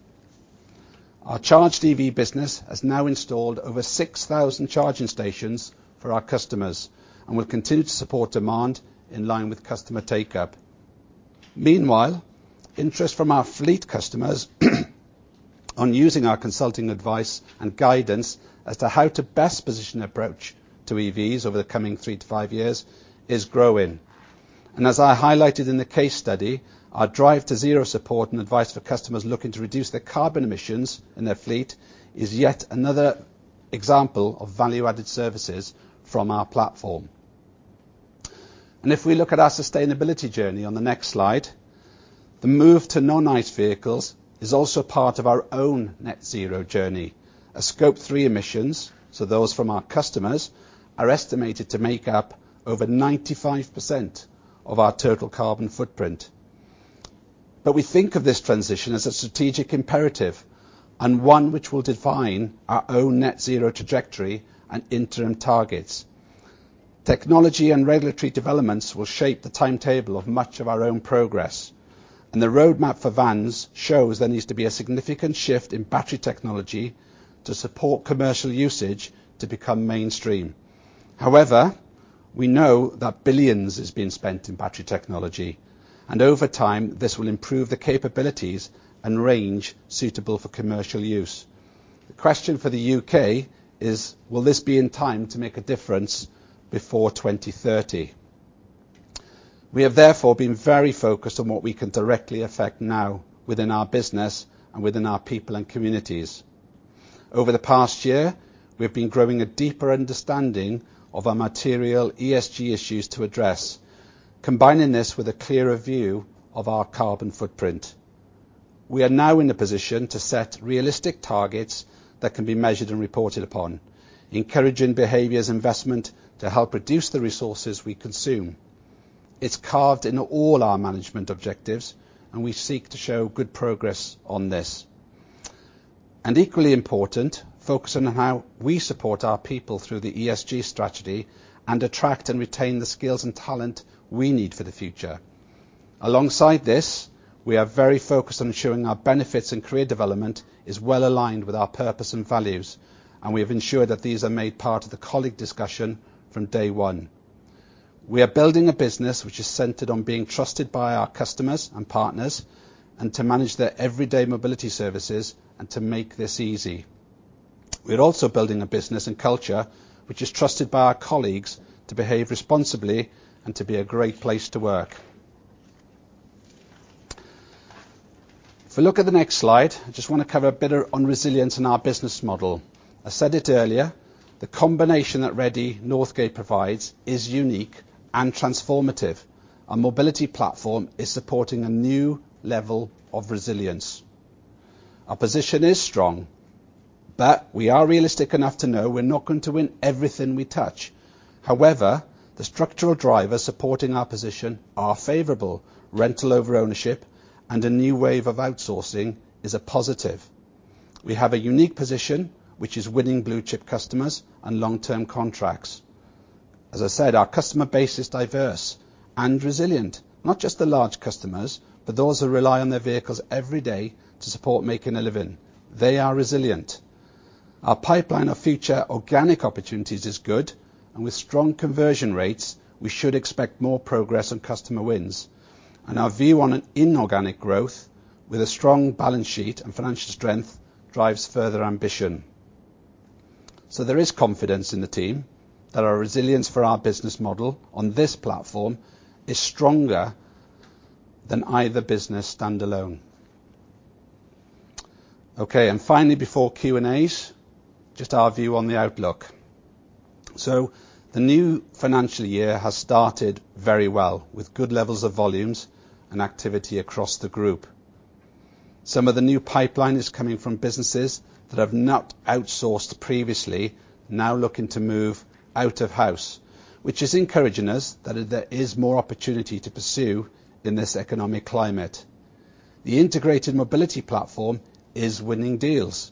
Our Charge EV business has now installed over 6,000 charging stations for our customers and will continue to support demand in line with customer take-up. Meanwhile, interest from our fleet customers on using our consulting advice and guidance as to how to best position approach to EVs over the coming three to five years is growing. As I highlighted in the case study, our Drive to Zero support and advice for customers looking to reduce their carbon emissions in their fleet is yet another example of value-added services from our platform. If we look at our sustainability journey on the next slide, the move to non-ICE vehicles is also part of our own Net Zero journey. Our Scope 3 emissions, so those from our customers, are estimated to make up over 95% of our total carbon footprint. We think of this transition as a strategic imperative and one which will define our own Net Zero trajectory and interim targets. Technology and regulatory developments will shape the timetable of much of our own progress, and the roadmap for vans shows there needs to be a significant shift in battery technology to support commercial usage to become mainstream. However, we know that billions is being spent in battery technology, and over time, this will improve the capabilities and range suitable for commercial use. The question for the U.K. is, will this be in time to make a difference before 2030? We have therefore been very focused on what we can directly affect now within our business and within our people and communities. Over the past year, we've been growing a deeper understanding of our material ESG issues to address, combining this with a clearer view of our carbon footprint. We are now in a position to set realistic targets that can be measured and reported upon, encouraging behavioral investment to help reduce the resources we consume. It's carved into all our management objectives, and we seek to show good progress on this. Equally important, focus on how we support our people through the ESG strategy and attract and retain the skills and talent we need for the future. Alongside this, we are very focused on ensuring our benefits and career development is well aligned with our purpose and values, and we have ensured that these are made part of the colleague discussion from day one. We are building a business which is centered on being trusted by our customers and partners and to manage their everyday mobility services and to make this easy. We're also building a business and culture which is trusted by our colleagues to behave responsibly and to be a great place to work. If we look at the next slide, I just want to cover a bit on resilience in our business model. I said it earlier, the combination that Redde Northgate provides is unique and transformative. Our mobility platform is supporting a new level of resilience. Our position is strong, but we are realistic enough to know we're not going to win everything we touch. However, the structural drivers supporting our position are favorable. Rental over ownership and a new wave of outsourcing is a positive. We have a unique position which is winning blue-chip customers and long-term contracts. As I said, our customer base is diverse and resilient, not just the large customers, but those who rely on their vehicles every day to support making a living. They are resilient. Our pipeline of future organic opportunities is good, and with strong conversion rates, we should expect more progress on customer wins. Our view on an inorganic growth with a strong balance sheet and financial strength drives further ambition. There is confidence in the team that our resilience for our business model on this platform is stronger than either business standalone. Okay, and finally, before Q&A's, just our view on the outlook. The new financial year has started very well with good levels of volumes and activity across the group. Some of the new pipeline is coming from businesses that have not outsourced previously, now looking to move out of house. Which is encouraging us that there is more opportunity to pursue in this economic climate. The integrated mobility platform is winning deals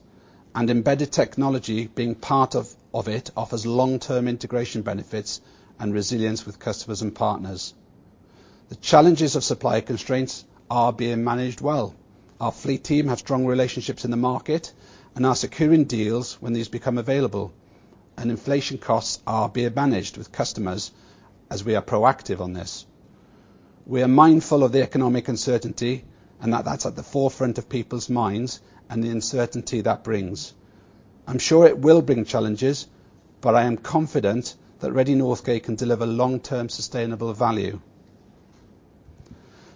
and embedded technology being part of it offers long-term integration benefits and resilience with customers and partners. The challenges of supply constraints are being managed well. Our fleet team have strong relationships in the market and are securing deals when these become available. Inflation costs are being managed with customers as we are proactive on this. We are mindful of the economic uncertainty, and that's at the forefront of people's minds and the uncertainty that brings. I'm sure it will bring challenges, but I am confident that Redde Northgate can deliver long-term sustainable value.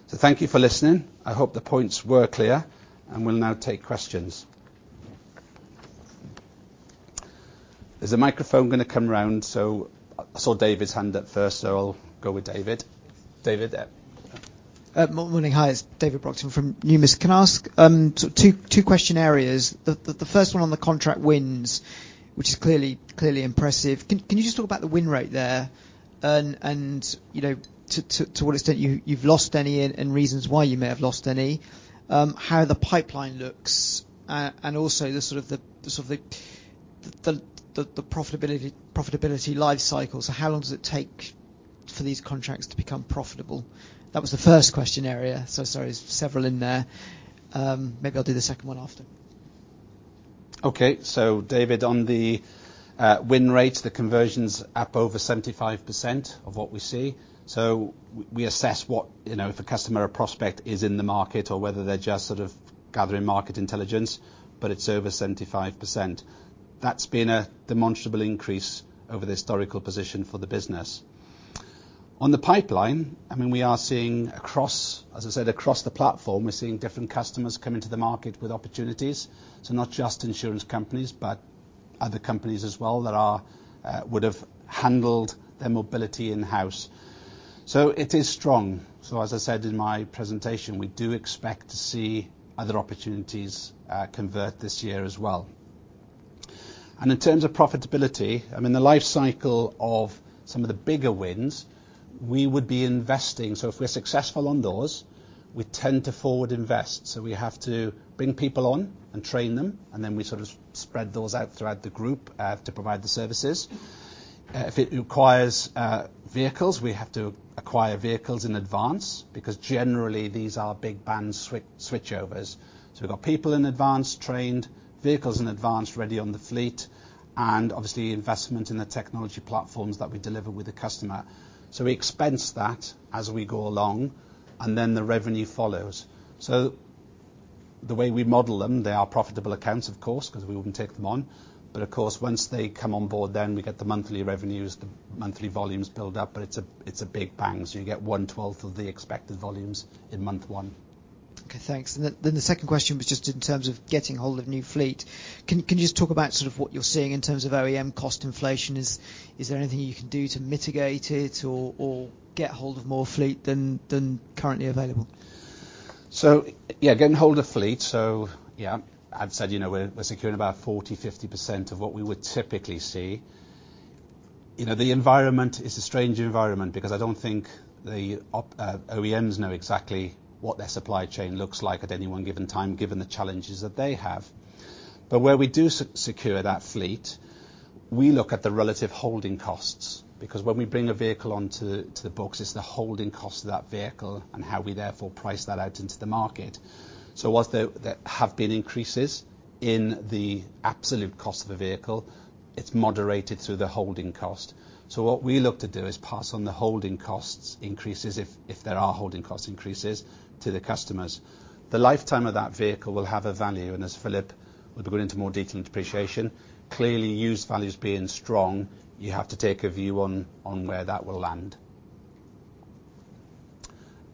Thank you for listening. I hope the points were clear, and we'll now take questions. Is the microphone gonna come round? I saw David's hand up first, so I'll go with David. David? Morning. Hi, it's David Larkam from Numis. Can I ask, so two question areas. The first one on the contract wins, which is clearly impressive. Can you just talk about the win rate there? And you know, to what extent you've lost any and reasons why you may have lost any. How the pipeline looks, and also the sort of profitability life cycle. So how long does it take for these contracts to become profitable? That was the first question area. Sorry, several in there. Maybe I'll do the second one after. Okay, David, on the win rates, the conversions up over 75% of what we see. We assess, you know, if a customer or prospect is in the market or whether they're just sort of gathering market intelligence, but it's over 75%. That's been a demonstrable increase over the historical position for the business. On the pipeline, I mean, we are seeing across. As I said, across the platform, we're seeing different customers come into the market with opportunities. Not just insurance companies, but other companies as well that would've handled their mobility in-house. It is strong. As I said in my presentation, we do expect to see other opportunities convert this year as well. In terms of profitability, I mean, the life cycle of some of the bigger wins, we would be investing. If we're successful on those, we tend to forward invest. We have to bring people on and train them, and then we sort of spread those out throughout the group to provide the services. If it requires vehicles, we have to acquire vehicles in advance because generally these are big bang switchovers. We've got people in advance trained, vehicles in advance ready on the fleet, and obviously investment in the technology platforms that we deliver with the customer. We expense that as we go along, and then the revenue follows. The way we model them, they are profitable accounts, of course, 'cause we wouldn't take them on. Of course, once they come on board, then we get the monthly revenues, the monthly volumes build up, but it's a big bang. You get 1/12 of the expected volumes in month one. Okay. Thanks. The second question was just in terms of getting hold of new fleet. Can you just talk about sort of what you're seeing in terms of OEM cost inflation? Is there anything you can do to mitigate it or get hold of more fleet than currently available? Yeah, getting hold of fleet. Yeah, I'd said, you know, we're securing about 40%-50% of what we would typically see. You know, the environment is a strange environment because I don't think the OEMs know exactly what their supply chain looks like at any one given time, given the challenges that they have. But where we do secure that fleet, we look at the relative holding costs because when we bring a vehicle onto the books, it's the holding cost of that vehicle and how we therefore price that out into the market. Whilst there have been increases in the absolute cost of a vehicle, it's moderated through the holding cost. What we look to do is pass on the holding costs increases if there are holding cost increases to the customers. The lifetime of that vehicle will have a value, and as Philip would go into more detail in depreciation. Clearly, used values being strong, you have to take a view on where that will land.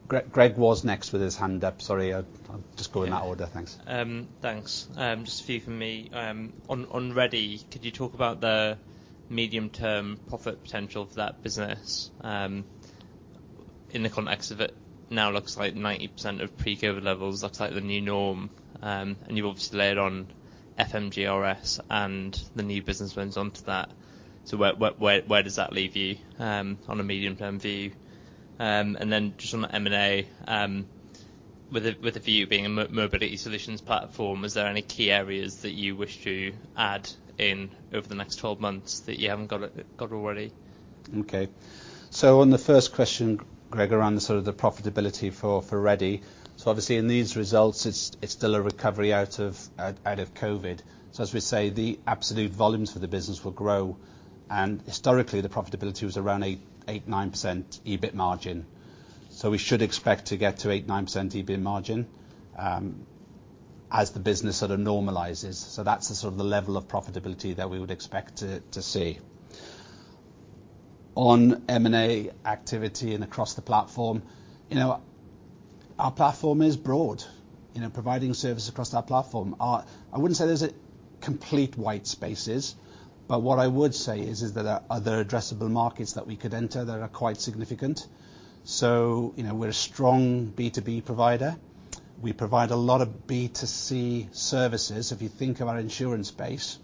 Greg was next with his hand up. Sorry, I'll just go in that order. Thanks. Thanks. Just a few from me. On Redde, could you talk about the medium-term profit potential for that business, in the context of it now looks like 90% of pre-COVID levels, that's like the new norm. You've obviously layered on FMG RS and the new business wins onto that. Where does that leave you, on a medium-term view? Just on the M&A, with ZIGUP being a mobility solutions platform, is there any key areas that you wish to add in over the next 12 months that you haven't got already? Okay. On the first question, Greg, around the sort of profitability for Redde. Obviously in these results, it's still a recovery out of COVID. As we say, the absolute volumes for the business will grow, and historically, the profitability was around 8%-9% EBIT margin. We should expect to get to 8%-9% EBIT margin as the business sort of normalizes. That's the sort of level of profitability that we would expect to see. On M&A activity and across the platform, you know, our platform is broad. You know, providing service across our platform. Our. I wouldn't say there's a complete white spaces, but what I would say is that there are other addressable markets that we could enter that are quite significant. You know, we're a strong B2B provider. We provide a lot of B2C services. If you think of our insurance base,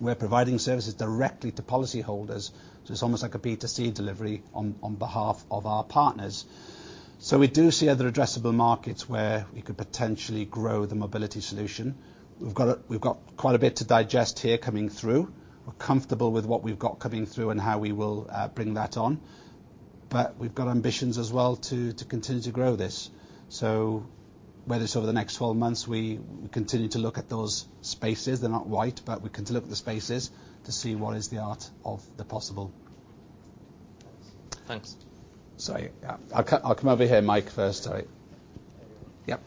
we're providing services directly to policy holders, so it's almost like a B2C delivery on behalf of our partners. We do see other addressable markets where we could potentially grow the mobility solution. We've got quite a bit to digest here coming through. We're comfortable with what we've got coming through and how we will bring that on. We've got ambitions as well to continue to grow this. Whether it's over the next 12 months, we continue to look at those spaces. They're not ripe, but we continue to look at the spaces to see what is the art of the possible. Thanks. Sorry, yeah. I'll come over here, Mike, first. Sorry. Yep.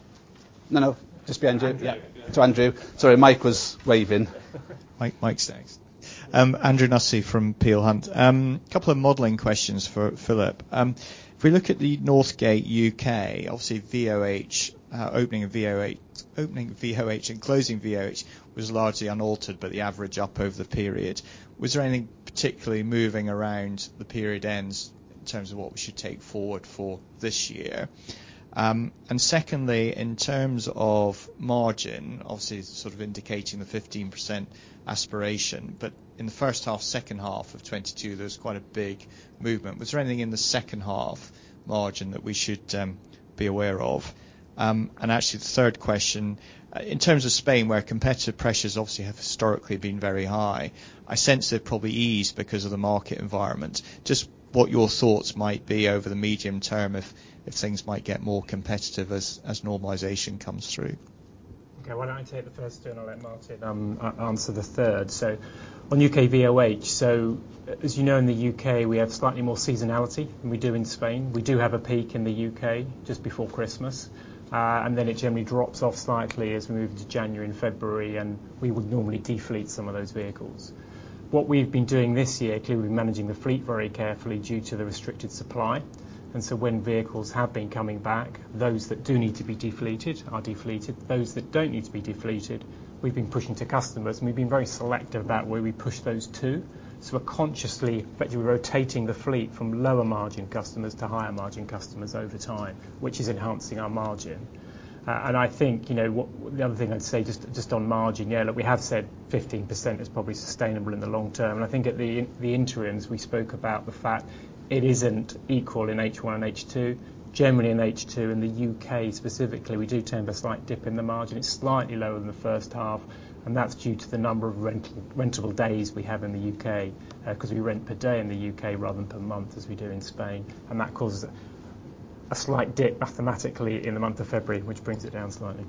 No, no. Just behind you. Andrew. Yeah. To Andrew. Sorry, Mike was waving. Mike's next. Andrew Nussey from Peel Hunt. Couple of modeling questions for Philip. If we look at the Northgate U.K., obviously VOH, opening VOH and closing VOH was largely unaltered, but the average up over the period. Was there anything particularly moving around the period ends in terms of what we should take forward for this year? Secondly, in terms of margin, obviously sort of indicating the 15% aspiration, but in the first half, second half of 2022, there was quite a big movement. Was there anything in the second half margin that we should be aware of? Actually the third question, in terms of Spain where competitor pressures obviously have historically been very high, I sense they've probably eased because of the market environment. Just what your thoughts might be over the medium term if things might get more competitive as normalization comes through? Okay, why don't I take the first two, and I'll let Martin answer the third. On U.K. VOH. As you know, in the U.K., we have slightly more seasonality than we do in Spain. We do have a peak in the U.K. just before Christmas. It generally drops off slightly as we move to January and February, and we would normally defleet some of those vehicles. What we've been doing this year, clearly managing the fleet very carefully due to the restricted supply. When vehicles have been coming back, those that do need to be defleeted are defleeted. Those that don't need to be defleeted, we've been pushing to customers, and we've been very selective about where we push those to. We're consciously effectively rotating the fleet from lower margin customers to higher margin customers over time, which is enhancing our margin. I think the other thing I'd say just on margin, we have said 15% is probably sustainable in the long term. I think at the interims, we spoke about the fact it isn't equal in H1 and H2. Generally in H2, in the U.K. specifically, we do tend a slight dip in the margin. It's slightly lower than the first half, and that's due to the number of rentable days we have in the U.K., 'cause we rent per day in the U.K. rather than per month as we do in Spain. That causes a slight dip mathematically in the month of February, which brings it down slightly.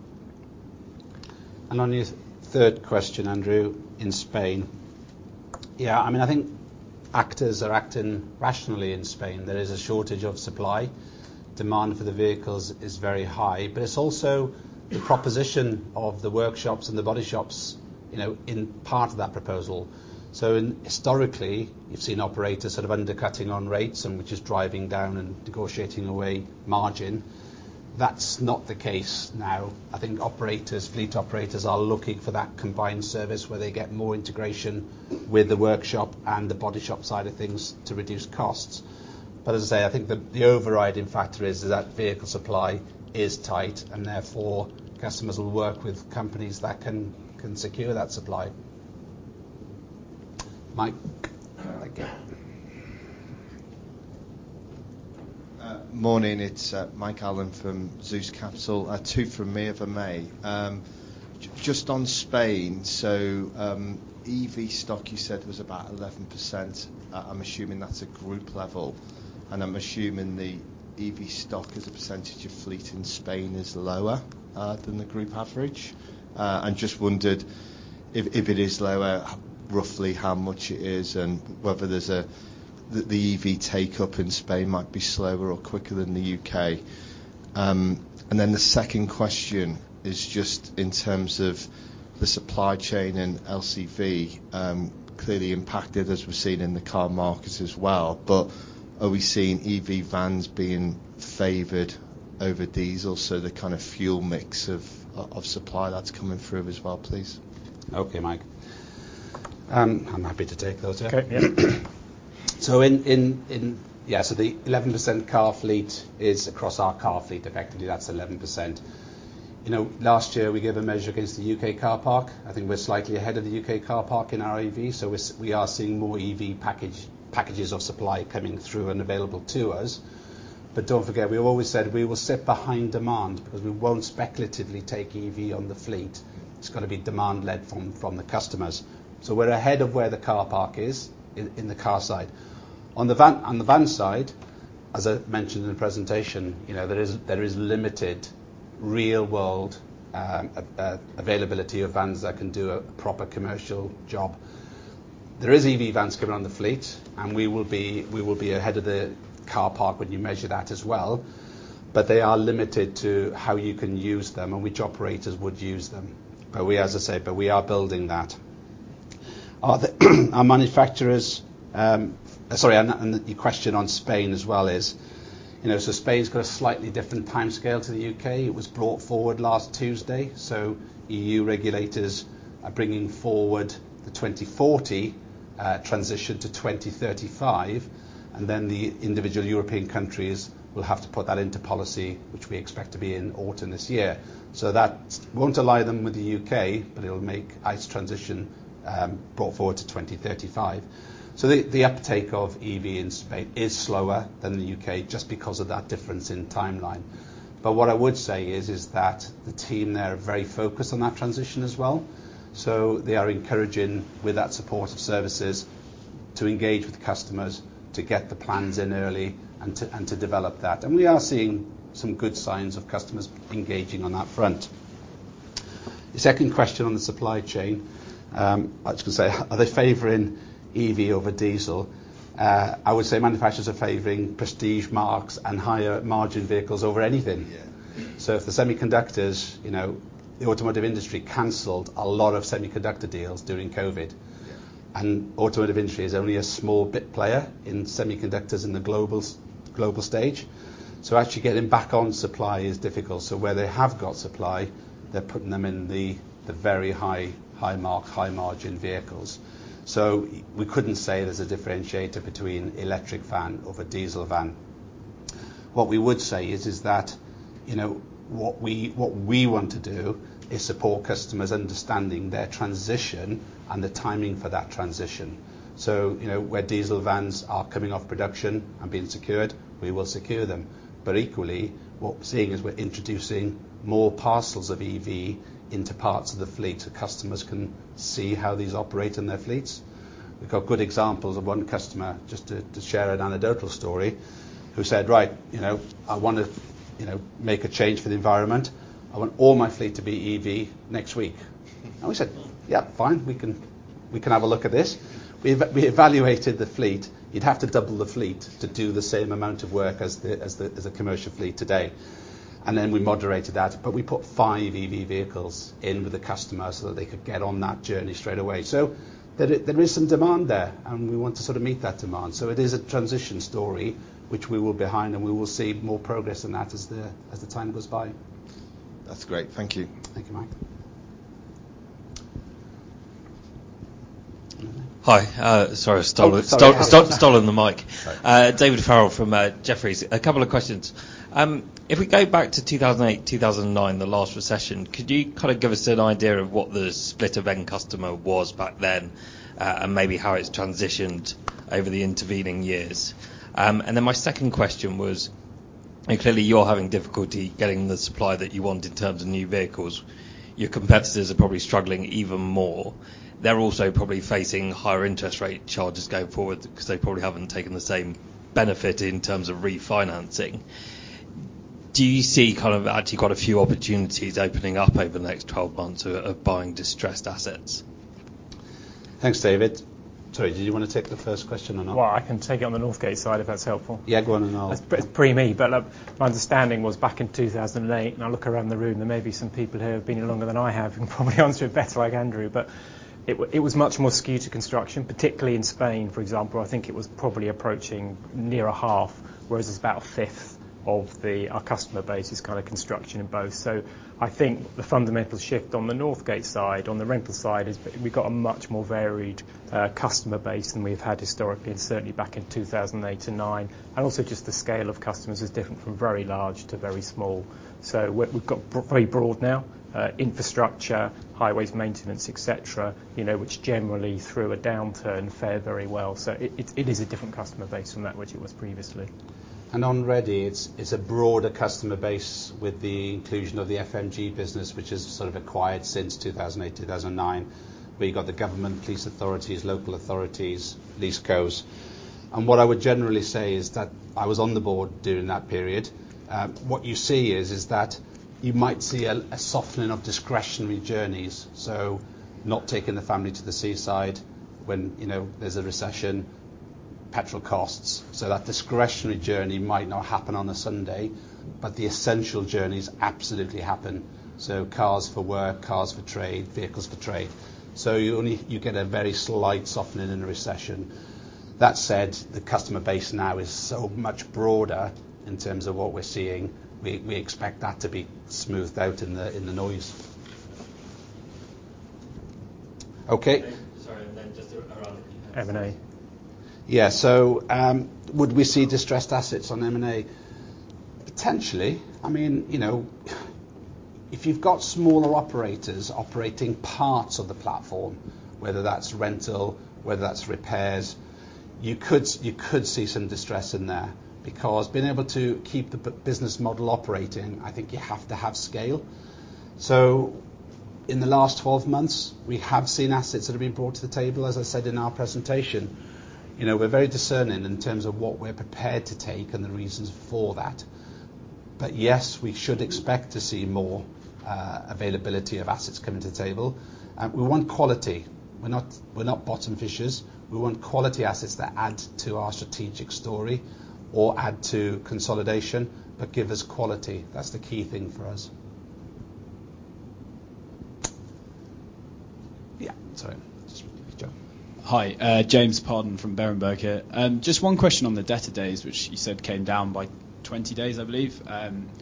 On your third question, Andrew, in Spain. Yeah. I mean, I think actors are acting rationally in Spain. There is a shortage of supply. Demand for the vehicles is very high, but it's also the proposition of the workshops and the body shops, you know, in part to that proposition. Historically, you've seen operators sort of undercutting on rates and which is driving down and negotiating away margin. That's not the case now. I think operators, fleet operators are looking for that combined service where they get more integration with the workshop and the body shop side of things to reduce costs. But as I say, I think the overriding factor is that vehicle supply is tight and therefore customers will work with companies that can secure that supply. Mike. There we go. Morning. It's Mike Allen from Zeus Capital. Two from me for May. Just on Spain, EV stock you said was about 11%. I'm assuming that's a group level. I'm assuming the EV stock as a percentage of fleet in Spain is lower than the group average. Just wondered if it is lower, roughly how much it is and whether the EV take-up in Spain might be slower or quicker than the U.K.. The second question is just in terms of the supply chain and LCV, clearly impacted as we've seen in the car markets as well. Are we seeing EV vans being favored over diesel, so the kind of fuel mix of supply that's coming through as well, please? Okay, Mike. I'm happy to take those, yeah. Okay. Yeah. The 11% car fleet is across our car fleet. Effectively, that's 11%. You know, last year, we gave a measure against the U.K. car park. I think we're slightly ahead of the U.K. car park in our EV, so we are seeing more EV packages of supply coming through and available to us. But don't forget, we've always said we will sit behind demand because we won't speculatively take EV on the fleet. It's gotta be demand led from the customers. We're ahead of where the car park is in the car side. On the van side, as I mentioned in the presentation, you know, there is limited real world availability of vans that can do a proper commercial job. There is EV vans coming on the fleet, and we will be ahead of the car park when you measure that as well. They are limited to how you can use them and which operators would use them. We, as I say, are building that. The question on Spain as well is, you know, Spain's got a slightly different timescale to the U.K. It was brought forward last Tuesday, so E.U. regulators are bringing forward the 2040 transition to 2035, and then the individual European countries will have to put that into policy, which we expect to be in autumn this year. That won't align them with the U.K., but it will make its transition brought forward to 2035. The uptake of EV in Spain is slower than the U.K. just because of that difference in timeline. What I would say is that the team there are very focused on that transition as well. They are encouraging, with that support of services, to engage with customers, to get the plans in early and to develop that. We are seeing some good signs of customers engaging on that front. The second question on the supply chain, I was gonna say, are they favoring EV over diesel? I would say manufacturers are favoring prestige marks and higher-margin vehicles over anything here. If the semiconductors, you know, the automotive industry canceled a lot of semiconductor deals during COVID. Yeah. Automotive industry is only a small bit player in semiconductors in the global stage. Actually getting back on supply is difficult. Where they have got supply, they're putting them in the very high-margin vehicles. We couldn't say there's a differentiator between electric van over diesel van. What we would say is that you know what we want to do is support customers understanding their transition and the timing for that transition. You know where diesel vans are coming off production and being secured, we will secure them. Equally what we're seeing is we're introducing more parcels of EV into parts of the fleet so customers can see how these operate in their fleets. We've got good examples of one customer, just to share an anecdotal story, who said, "Right, you know, I wanna, you know, make a change for the environment. I want all my fleet to be EV next week." We said, "Yeah, fine. We can have a look at this." We evaluated the fleet. You'd have to double the fleet to do the same amount of work as a commercial fleet today. We moderated that, but we put five EV vehicles in with the customer so that they could get on that journey straight away. There is some demand there, and we want to sort of meet that demand. It is a transition story which we were behind, and we will see more progress in that as the time goes by. That's great. Thank you. Thank you, Mike. Mm-hmm. Hi. Sorry to steal in. Oh, sorry. Yeah stolen the mic. Sorry. David Farrell from Jefferies. A couple of questions. If we go back to 2008, 2009, the last recession, could you kinda give us an idea of what the split of end customer was back then, and maybe how it's transitioned over the intervening years? Then my second question was, and clearly you're having difficulty getting the supply that you want in terms of new vehicles. Your competitors are probably struggling even more. They're also probably facing higher interest rate charges going forward 'cause they probably haven't taken the same benefit in terms of refinancing. Do you see kind of actually quite a few opportunities opening up over the next 12 months of buying distressed assets? Thanks, David. Sorry, did you wanna take the first question and I'll- Well, I can take it on the Northgate side, if that's helpful. Yeah, go on and I'll. My understanding was back in 2008, and I look around the room, there may be some people who have been here longer than I have and can probably answer it better, like Andrew. It was much more skewed to construction, particularly in Spain, for example. I think it was probably approaching near a half, whereas it's about a fifth of our customer base is kinda construction in both. I think the fundamental shift on the Northgate side, on the rental side, is we've got a much more varied customer base than we've had historically and certainly back in 2008 and 2009. Also just the scale of customers is different from very large to very small. What we've got very broad now, infrastructure, highways maintenance, et cetera, you know, which generally through a downturn fared very well. It is a different customer base from that which it was previously. On Redde, it's a broader customer base with the inclusion of the FMG business, which is sort of acquired since 2008, 2009. We've got the government, police authorities, local authorities, LeaseCos. What I would generally say is that I was on the board during that period. What you see is that you might see a softening of discretionary journeys, so not taking the family to the seaside when, you know, there's a recession, petrol costs. That discretionary journey might not happen on a Sunday, but the essential journeys absolutely happen, so cars for work, cars for trade, vehicles for trade. You only get a very slight softening in a recession. That said, the customer base now is so much broader in terms of what we're seeing. We expect that to be smoothed out in the noise. Okay. Sorry, just around the M&A. M&A. Yeah. Would we see distressed assets on M&A? Potentially. I mean, you know, if you've got smaller operators operating parts of the platform, whether that's rental, whether that's repairs, you could see some distress in there because being able to keep the business model operating, I think you have to have scale. In the last 12 months, we have seen assets that have been brought to the table, as I said in our presentation. You know, we're very discerning in terms of what we're prepared to take and the reasons for that. Yes, we should expect to see more availability of assets coming to the table. We want quality. We're not bottom fishers. We want quality assets that add to our strategic story or add to consolidation, but give us quality. That's the key thing for us. Yeah. Sorry. Joe. Hi. James Paddison from Berenberg here. Just one question on the debtor days, which you said came down by 20 days, I believe.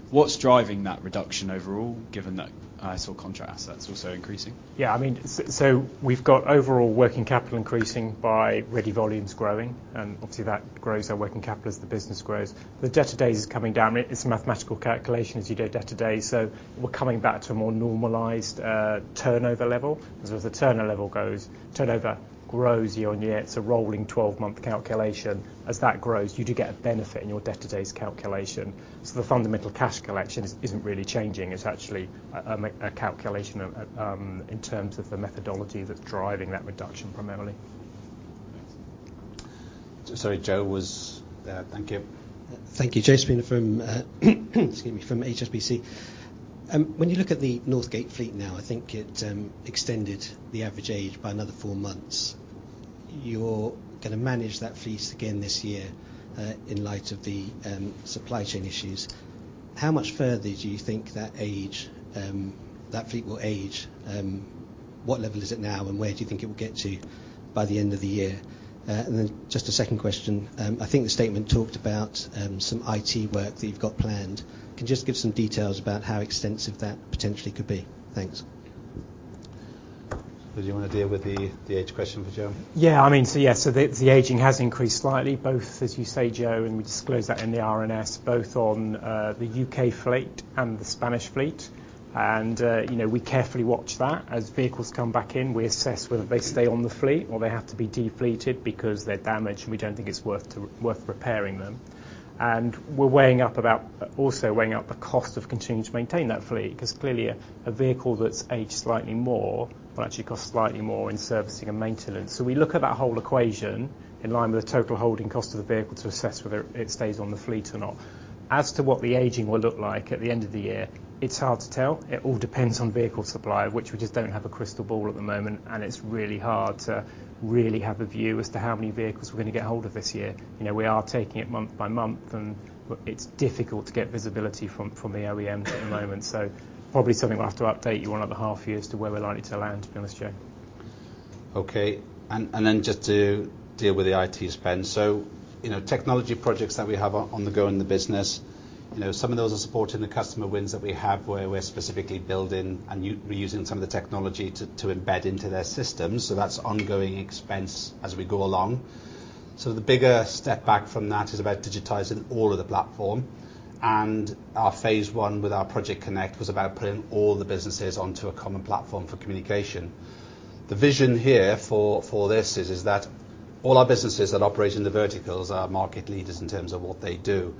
What's driving that reduction overall, given that I saw contract assets also increasing? Yeah, I mean, so we've got overall working capital increasing by rental volumes growing, and obviously that grows our working capital as the business grows. The debtor days is coming down. It's a mathematical calculation as you know debtor days. We're coming back to a more normalized turnover level. As the turnover level goes, turnover grows year on year. It's a rolling 12-month calculation. As that grows, you do get a benefit in your debtor days calculation. The fundamental cash collection isn't really changing. It's actually a calculation of in terms of the methodology that's driving that reduction primarily. Thank you. Thank you. Joe Spooner from HSBC. When you look at the Northgate fleet now, I think it extended the average age by another four months. You're gonna manage that fleet again this year, in light of the supply chain issues. How much further do you think that age, that fleet will age? What level is it now, and where do you think it will get to by the end of the year? Just a second question. I think the statement talked about some IT work that you've got planned. Can you just give some details about how extensive that potentially could be? Thanks. Did you wanna deal with the age question for Joe? Yeah, I mean, the aging has increased slightly, both, as you say, Joe, and we disclosed that in the RNS, both on the UK fleet and the Spanish fleet. You know, we carefully watch that. As vehicles come back in, we assess whether they stay on the fleet or they have to be defleeted because they're damaged, and we don't think it's worth repairing them. We're weighing up the cost of continuing to maintain that fleet 'cause clearly a vehicle that's aged slightly more will actually cost slightly more in servicing and maintenance. We look at that whole equation in line with the total holding cost of the vehicle to assess whether it stays on the fleet or not. As to what the aging will look like at the end of the year, it's hard to tell. It all depends on vehicle supply, which we just don't have a crystal ball at the moment, and it's really hard to really have a view as to how many vehicles we're gonna get hold of this year. You know, we are taking it month by month, and it's difficult to get visibility from the OEM at the moment. Probably something we'll have to update you on at the half years to where we're likely to land, to be honest, Joe. Okay. Just to deal with the IT spend. You know, technology projects that we have on the go in the business. You know, some of those are supporting the customer wins that we have where we're specifically building and reusing some of the technology to embed into their systems. That's ongoing expense as we go along. The bigger step back from that is about digitizing all of the platform, and our phase one with our Project Connect was about putting all the businesses onto a common platform for communication. The vision here for this is that all our businesses that operate in the verticals are market leaders in terms of what they do.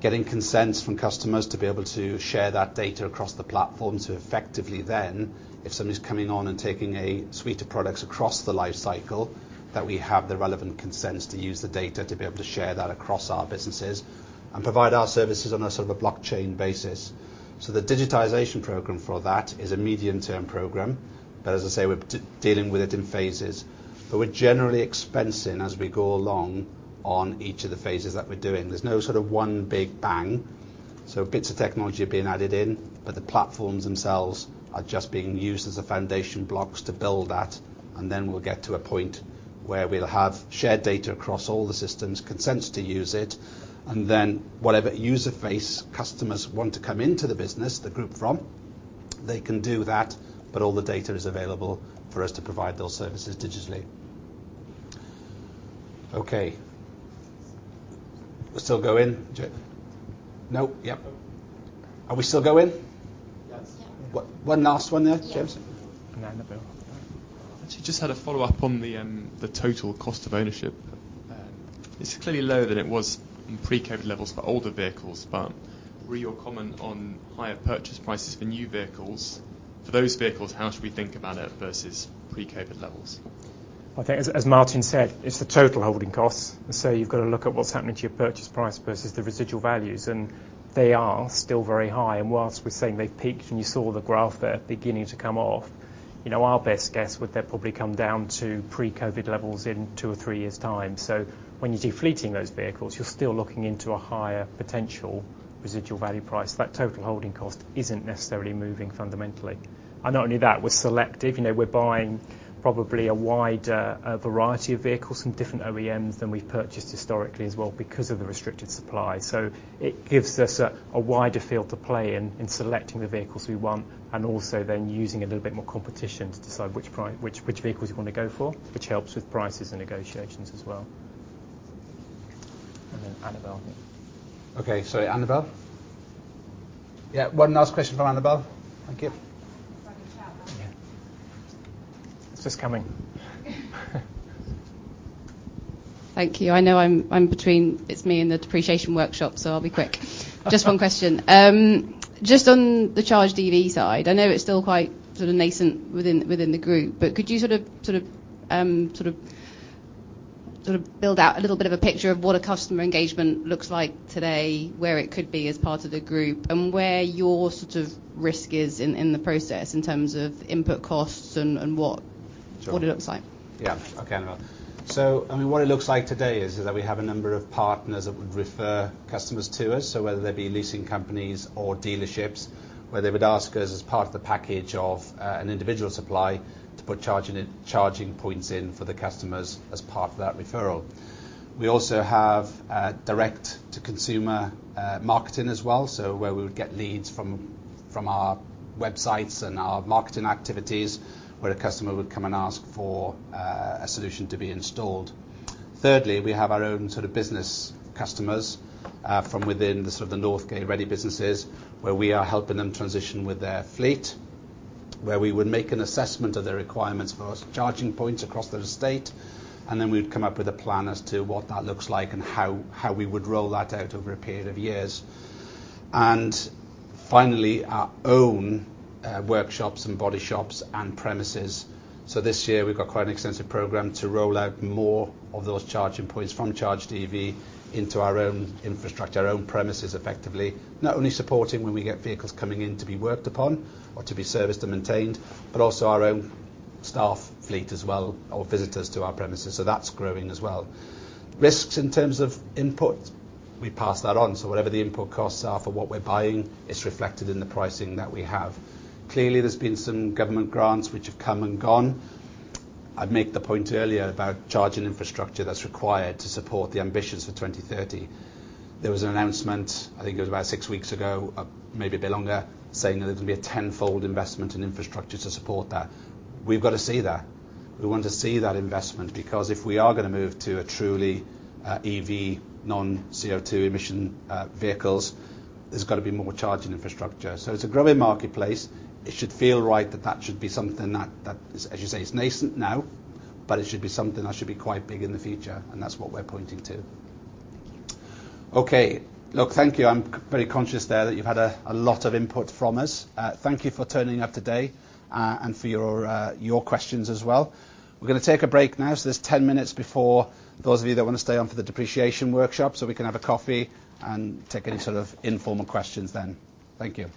Getting consents from customers to be able to share that data across the platform to effectively then, if somebody's coming on and taking a suite of products across the life cycle, that we have the relevant consents to use the data to be able to share that across our businesses and provide our services on a sort of a blockchain basis. The digitization program for that is a medium-term program. As I say, we're dealing with it in phases. We're generally expensing as we go along on each of the phases that we're doing. There's no sort of one big bang, so bits of technology are being added in, but the platforms themselves are just being used as the foundation blocks to build that. Then we'll get to a point where we'll have shared data across all the systems, consents to use it, and then whatever user face customers want to come into the business, the group from. They can do that, but all the data is available for us to provide those services digitally. Okay. We still going, Joe? No? Yep. Are we still going? Yes. One last one there, James? Annabel. Actually just had a follow-up on the total cost of ownership. It's clearly lower than it was in pre-COVID levels for older vehicles, but re your comment on higher purchase prices for new vehicles, for those vehicles, how should we think about it versus pre-COVID levels? I think as Martin said, it's the total holding costs. You've got to look at what's happening to your purchase price versus the residual values, and they are still very high. While we're saying they've peaked, and you saw the graph, they're beginning to come off. You know, our best guess would be they'd probably come down to pre-COVID levels in two or three years' time. When you're defleeting those vehicles, you're still looking into a higher potential residual value price. That total holding cost isn't necessarily moving fundamentally. Not only that, we're selective. You know, we're buying probably a wider variety of vehicles from different OEMs than we've purchased historically as well because of the restricted supply. It gives us a wider field to play in selecting the vehicles we want and also then using a little bit more competition to decide which vehicles you want to go for, which helps with prices and negotiations as well. Then Annabel. Okay. Sorry, Annabel? Yeah. One last question from Annabel. Thank you. It's like a chat, isn't it? Yeah. It's just coming. Thank you. I know I'm between, it's me and the depreciation workshop, so I'll be quick. Just one question. Just on the Charge EV side, I know it's still quite sort of nascent within the group, but could you sort of- Sort of build out a little bit of a picture of what a customer engagement looks like today, where it could be as part of the group, and where your sort of risk is in the process in terms of input costs and what. Sure. What it looks like. Yeah. Okay, Annabel Polsinelli. I mean, what it looks like today is that we have a number of partners that would refer customers to us, so whether they be leasing companies or dealerships, where they would ask us as part of the package of an individual supply to put charging points in for the customers as part of that referral. We also have direct to consumer marketing as well, so where we would get leads from our websites and our marketing activities, where a customer would come and ask for a solution to be installed. Thirdly, we have our own sort of business customers from within the sort of the Northgate and Redde businesses, where we are helping them transition with their fleet, where we would make an assessment of the requirements for charging points across the estate, and then we'd come up with a plan as to what that looks like and how we would roll that out over a period of years. Finally, our own workshops and body shops and premises. This year we've got quite an extensive program to roll out more of those charging points from Charge EV into our own infrastructure, our own premises effectively. Not only supporting when we get vehicles coming in to be worked upon or to be serviced and maintained, but also our own staff fleet as well or visitors to our premises. That's growing as well. Risks in terms of input, we pass that on. Whatever the input costs are for what we're buying, it's reflected in the pricing that we have. Clearly, there's been some government grants which have come and gone. I'd make the point earlier about charging infrastructure that's required to support the ambitions for 2030. There was an announcement, I think it was about six weeks ago, maybe a bit longer, saying that there will be a tenfold investment in infrastructure to support that. We've got to see that. We want to see that investment, because if we are gonna move to a truly EV, non-CO2 emission vehicles, there's got to be more charging infrastructure. It's a growing marketplace. It should feel right. That should be something that, as you say, is nascent now, but it should be something that should be quite big in the future, and that's what we're pointing to. Thank you. Okay. Look, thank you. I'm very conscious there that you've had a lot of input from us. Thank you for turning up today and for your questions as well. We're gonna take a break now, so there's 10 minutes before those of you that want to stay on for the depreciation workshop, so we can have a coffee and take any sort of informal questions then. Thank you.